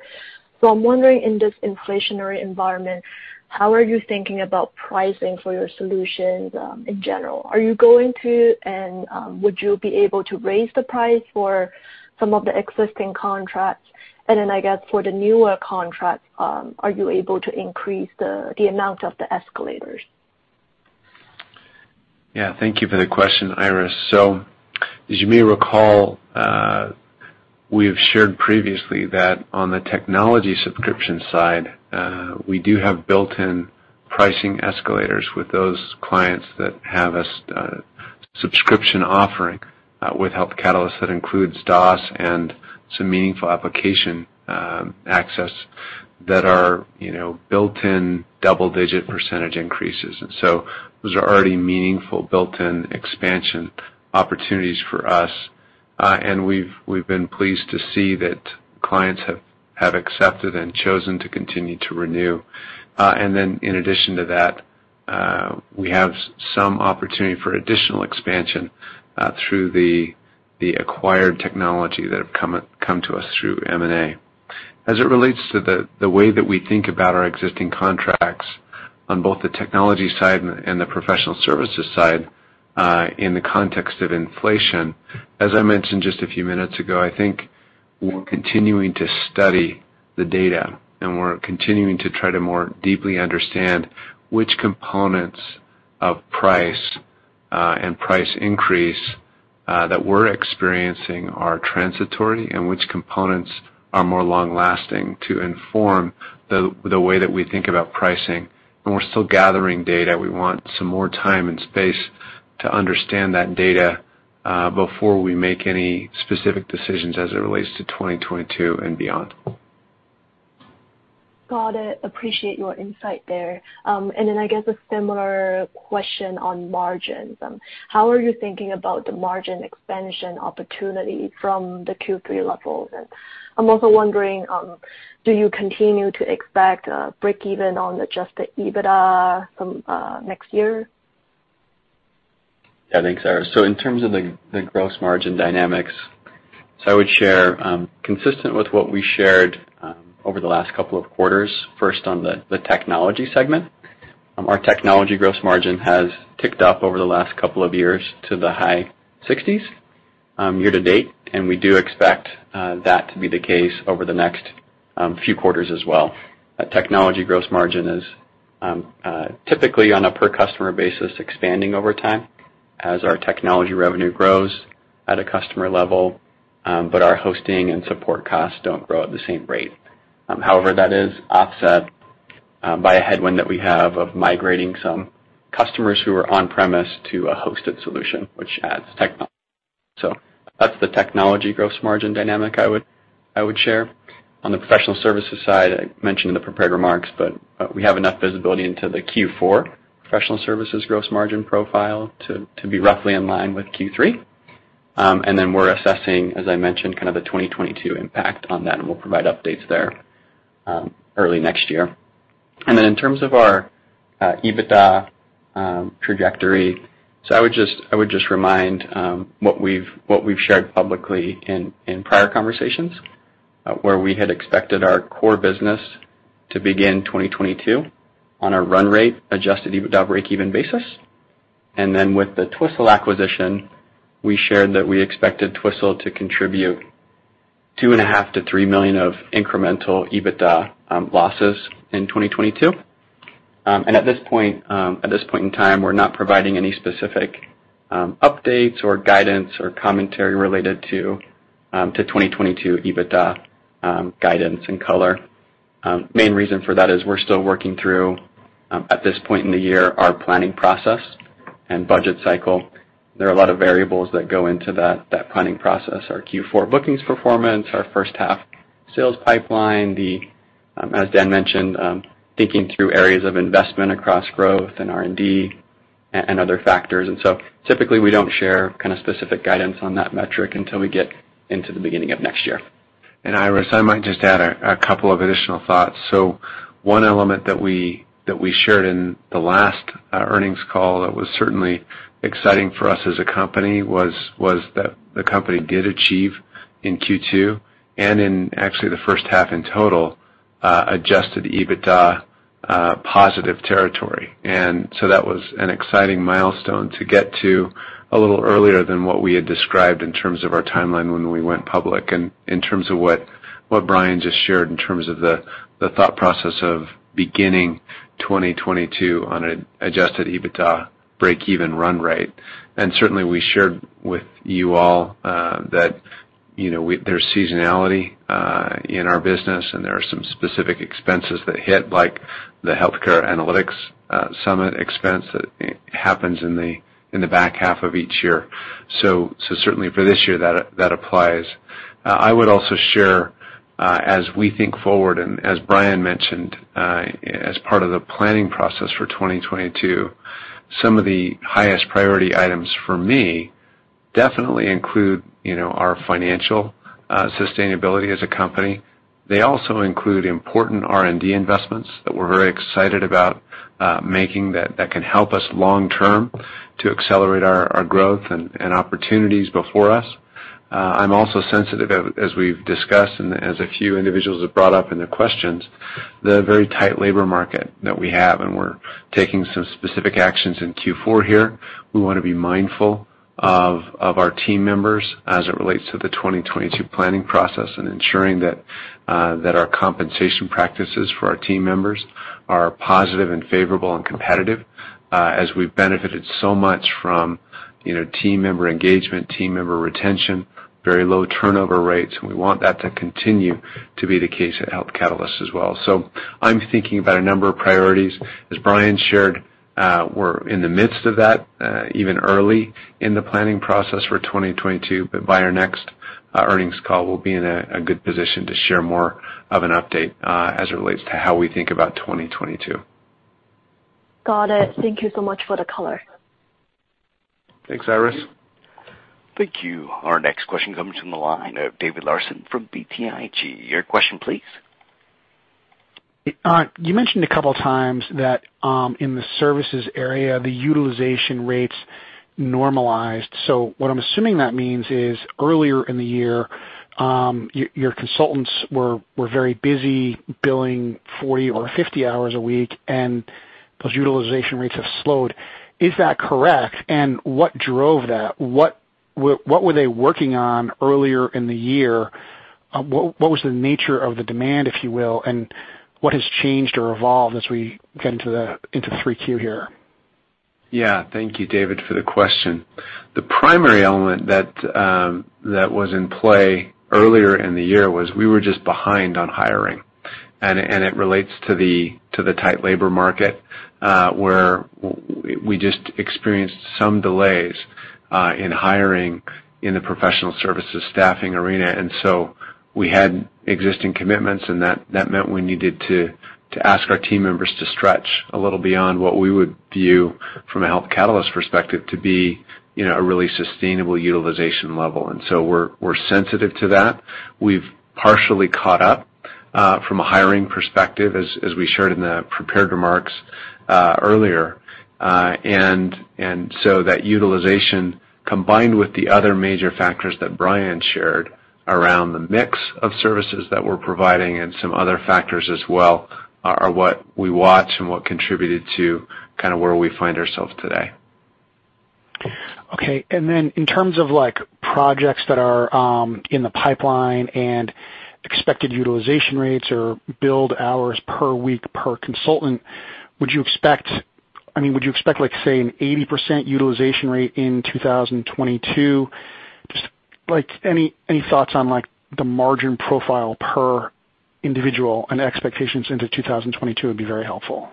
I'm wondering, in this inflationary environment, how are you thinking about pricing for your solutions, in general? Would you be able to raise the price for some of the existing contracts? Then I guess for the newer contracts, are you able to increase the amount of the escalators? Yeah. Thank you for the question, Iris. So as you may recall, we have shared previously that on the technology subscription side, we do have built-in pricing escalators with those clients that have a subscription offering with Health Catalyst that includes DOS and some meaningful application access that are, you know, built-in double-digit percentage increases. Those are already meaningful built-in expansion opportunities for us. We've been pleased to see that clients have accepted and chosen to continue to renew. We have some opportunity for additional expansion through the acquired technology that have come to us through M&A. As it relates to the way that we think about our existing contracts on both the technology side and the professional services side, in the context of inflation, as I mentioned just a few minutes ago, I think we're continuing to study the data, and we're continuing to try to more deeply understand which components of price and price increase that we're experiencing are transitory and which components are more long-lasting to inform the way that we think about pricing. We're still gathering data. We want some more time and space to understand that data before we make any specific decisions as it relates to 2022 and beyond. Got it. Appreciate your insight there. I guess a similar question on margins. How are you thinking about the margin expansion opportunity from the Q3 levels? I'm also wondering, do you continue to expect break even on adjusted EBITDA from next year? Yeah. Thanks, Iris. In terms of the gross margin dynamics, so I would share, consistent with what we shared over the last couple of quarters, first on the technology segment, our technology gross margin has ticked up over the last couple of years to the high 60s%, year to date, and we do expect that to be the case over the next few quarters as well. Our technology gross margin is typically on a per customer basis expanding over time as our technology revenue grows at a customer level, but our hosting and support costs don't grow at the same rate. However, that is offset by a headwind that we have of migrating some customers who are on-premise to a hosted solution, which adds technology. That's the technology gross margin dynamic I would share. On the professional services side, I mentioned in the prepared remarks, but we have enough visibility into the Q4 professional services gross margin profile to be roughly in line with Q3. We're assessing, as I mentioned, kind of the 2022 impact on that, and we'll provide updates there, early next year. In terms of our EBITDA trajectory, I would just remind what we've shared publicly in prior conversations, where we had expected our core business to begin 2022 on a run rate adjusted EBITDA breakeven basis. With the Twistle acquisition, we shared that we expected Twistle to contribute $2.5 million-$3 million of incremental EBITDA losses in 2022. At this point in time, we're not providing any specific updates or guidance or commentary related to 2022 EBITDA guidance and color. Main reason for that is we're still working through at this point in the year, our planning process and budget cycle. There are a lot of variables that go into that planning process, our Q4 bookings performance, our first half sales pipeline, the, as Dan mentioned, thinking through areas of investment across growth and R&D and other factors. Typically, we don't share kind of specific guidance on that metric until we get into the beginning of next year. Iris, I might just add a couple of additional thoughts. One element that we shared in the last earnings call that was certainly exciting for us as a company was that the company did achieve in Q2, and in actually the first half in total, adjusted EBITDA positive territory. That was an exciting milestone to get to a little earlier than what we had described in terms of our timeline when we went public. In terms of what Bryan just shared in terms of the thought process of beginning 2022 on an adjusted EBITDA breakeven run rate. Certainly we shared with you all that you know there's seasonality in our business, and there are some specific expenses that hit, like the Healthcare Analytics Summit expense that happens in the back half of each year. Certainly for this year, that applies. I would also share as we think forward, and as Bryan mentioned, as part of the planning process for 2022, some of the highest priority items for me definitely include you know our financial sustainability as a company. They also include important R&D investments that we're very excited about making that can help us long term to accelerate our growth and opportunities before us. I'm also sensitive, as we've discussed and as a few individuals have brought up in the questions, to the very tight labor market that we have, and we're taking some specific actions in Q4 here. We wanna be mindful of our team members as it relates to the 2022 planning process and ensuring that our compensation practices for our team members are positive and favorable and competitive, as we've benefited so much from, you know, team member engagement, team member retention, very low turnover rates, and we want that to continue to be the case at Health Catalyst as well. I'm thinking about a number of priorities. As Bryan shared, we're in the midst of that, even early in the planning process for 2022, but by our next earnings call, we'll be in a good position to share more of an update as it relates to how we think about 2022. Got it. Thank you so much for the color. Thanks, Iris. Thank you. Our next question comes from the line of David Larsen from BTIG. Your question, please. You mentioned a couple times that in the services area, the utilization rates normalized. What I'm assuming that means is earlier in the year, your consultants were very busy billing 40 or 50 hours a week, and those utilization rates have slowed. Is that correct? What drove that? What were they working on earlier in the year? What was the nature of the demand, if you will, and what has changed or evolved as we get into 3Q here? Yeah. Thank you, David, for the question. The primary element that was in play earlier in the year was we were just behind on hiring, and it relates to the tight labor market, where we just experienced some delays in hiring in the professional services staffing arena. We had existing commitments, and that meant we needed to ask our team members to stretch a little beyond what we would view from a Health Catalyst perspective to be, you know, a really sustainable utilization level. We're sensitive to that. We've partially caught up from a hiring perspective as we shared in the prepared remarks earlier. That utilization, combined with the other major factors that Bryan shared around the mix of services that we're providing and some other factors as well, are what we watch and what contributed to kinda where we find ourselves today. Okay. Then in terms of like projects that are in the pipeline and expected utilization rates or billed hours per week per consultant, would you expect I mean, would you expect like, say, an 80% utilization rate in 2022? Just like any thoughts on like the margin profile per individual and expectations into 2022 would be very helpful.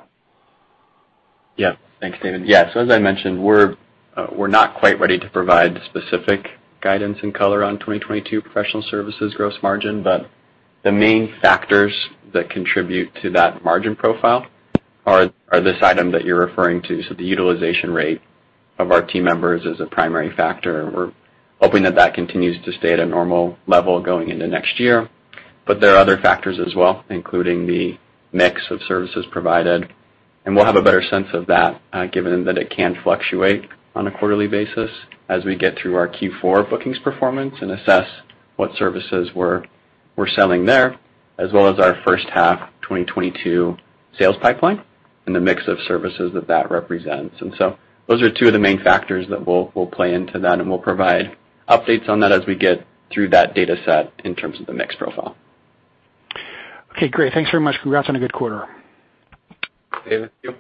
Yeah. Thanks, David. Yeah. As I mentioned, we're not quite ready to provide specific guidance and color on 2022 professional services gross margin, but the main factors that contribute to that margin profile are this item that you're referring to. The utilization rate of our team members is a primary factor. We're hoping that continues to stay at a normal level going into next year. There are other factors as well, including the mix of services provided, and we'll have a better sense of that, given that it can fluctuate on a quarterly basis as we get through our Q4 bookings performance and assess what services we're selling there, as well as our first half 2022 sales pipeline and the mix of services that represents. Those are two of the main factors that we'll play into that, and we'll provide updates on that as we get through that data set in terms of the mix profile. Okay, great. Thanks very much. Congrats on a good quarter. Thank you.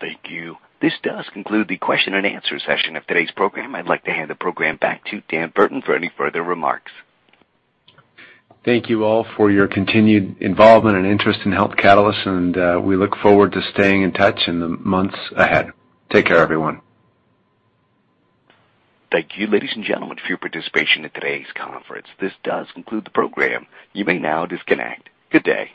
Thank you. This does conclude the question and answer session of today's program. I'd like to hand the program back to Dan Burton for any further remarks. Thank you all for your continued involvement and interest in Health Catalyst, and we look forward to staying in touch in the months ahead. Take care, everyone. Thank you, ladies and gentlemen, for your participation in today's conference. This does conclude the program. You may now disconnect. Good day.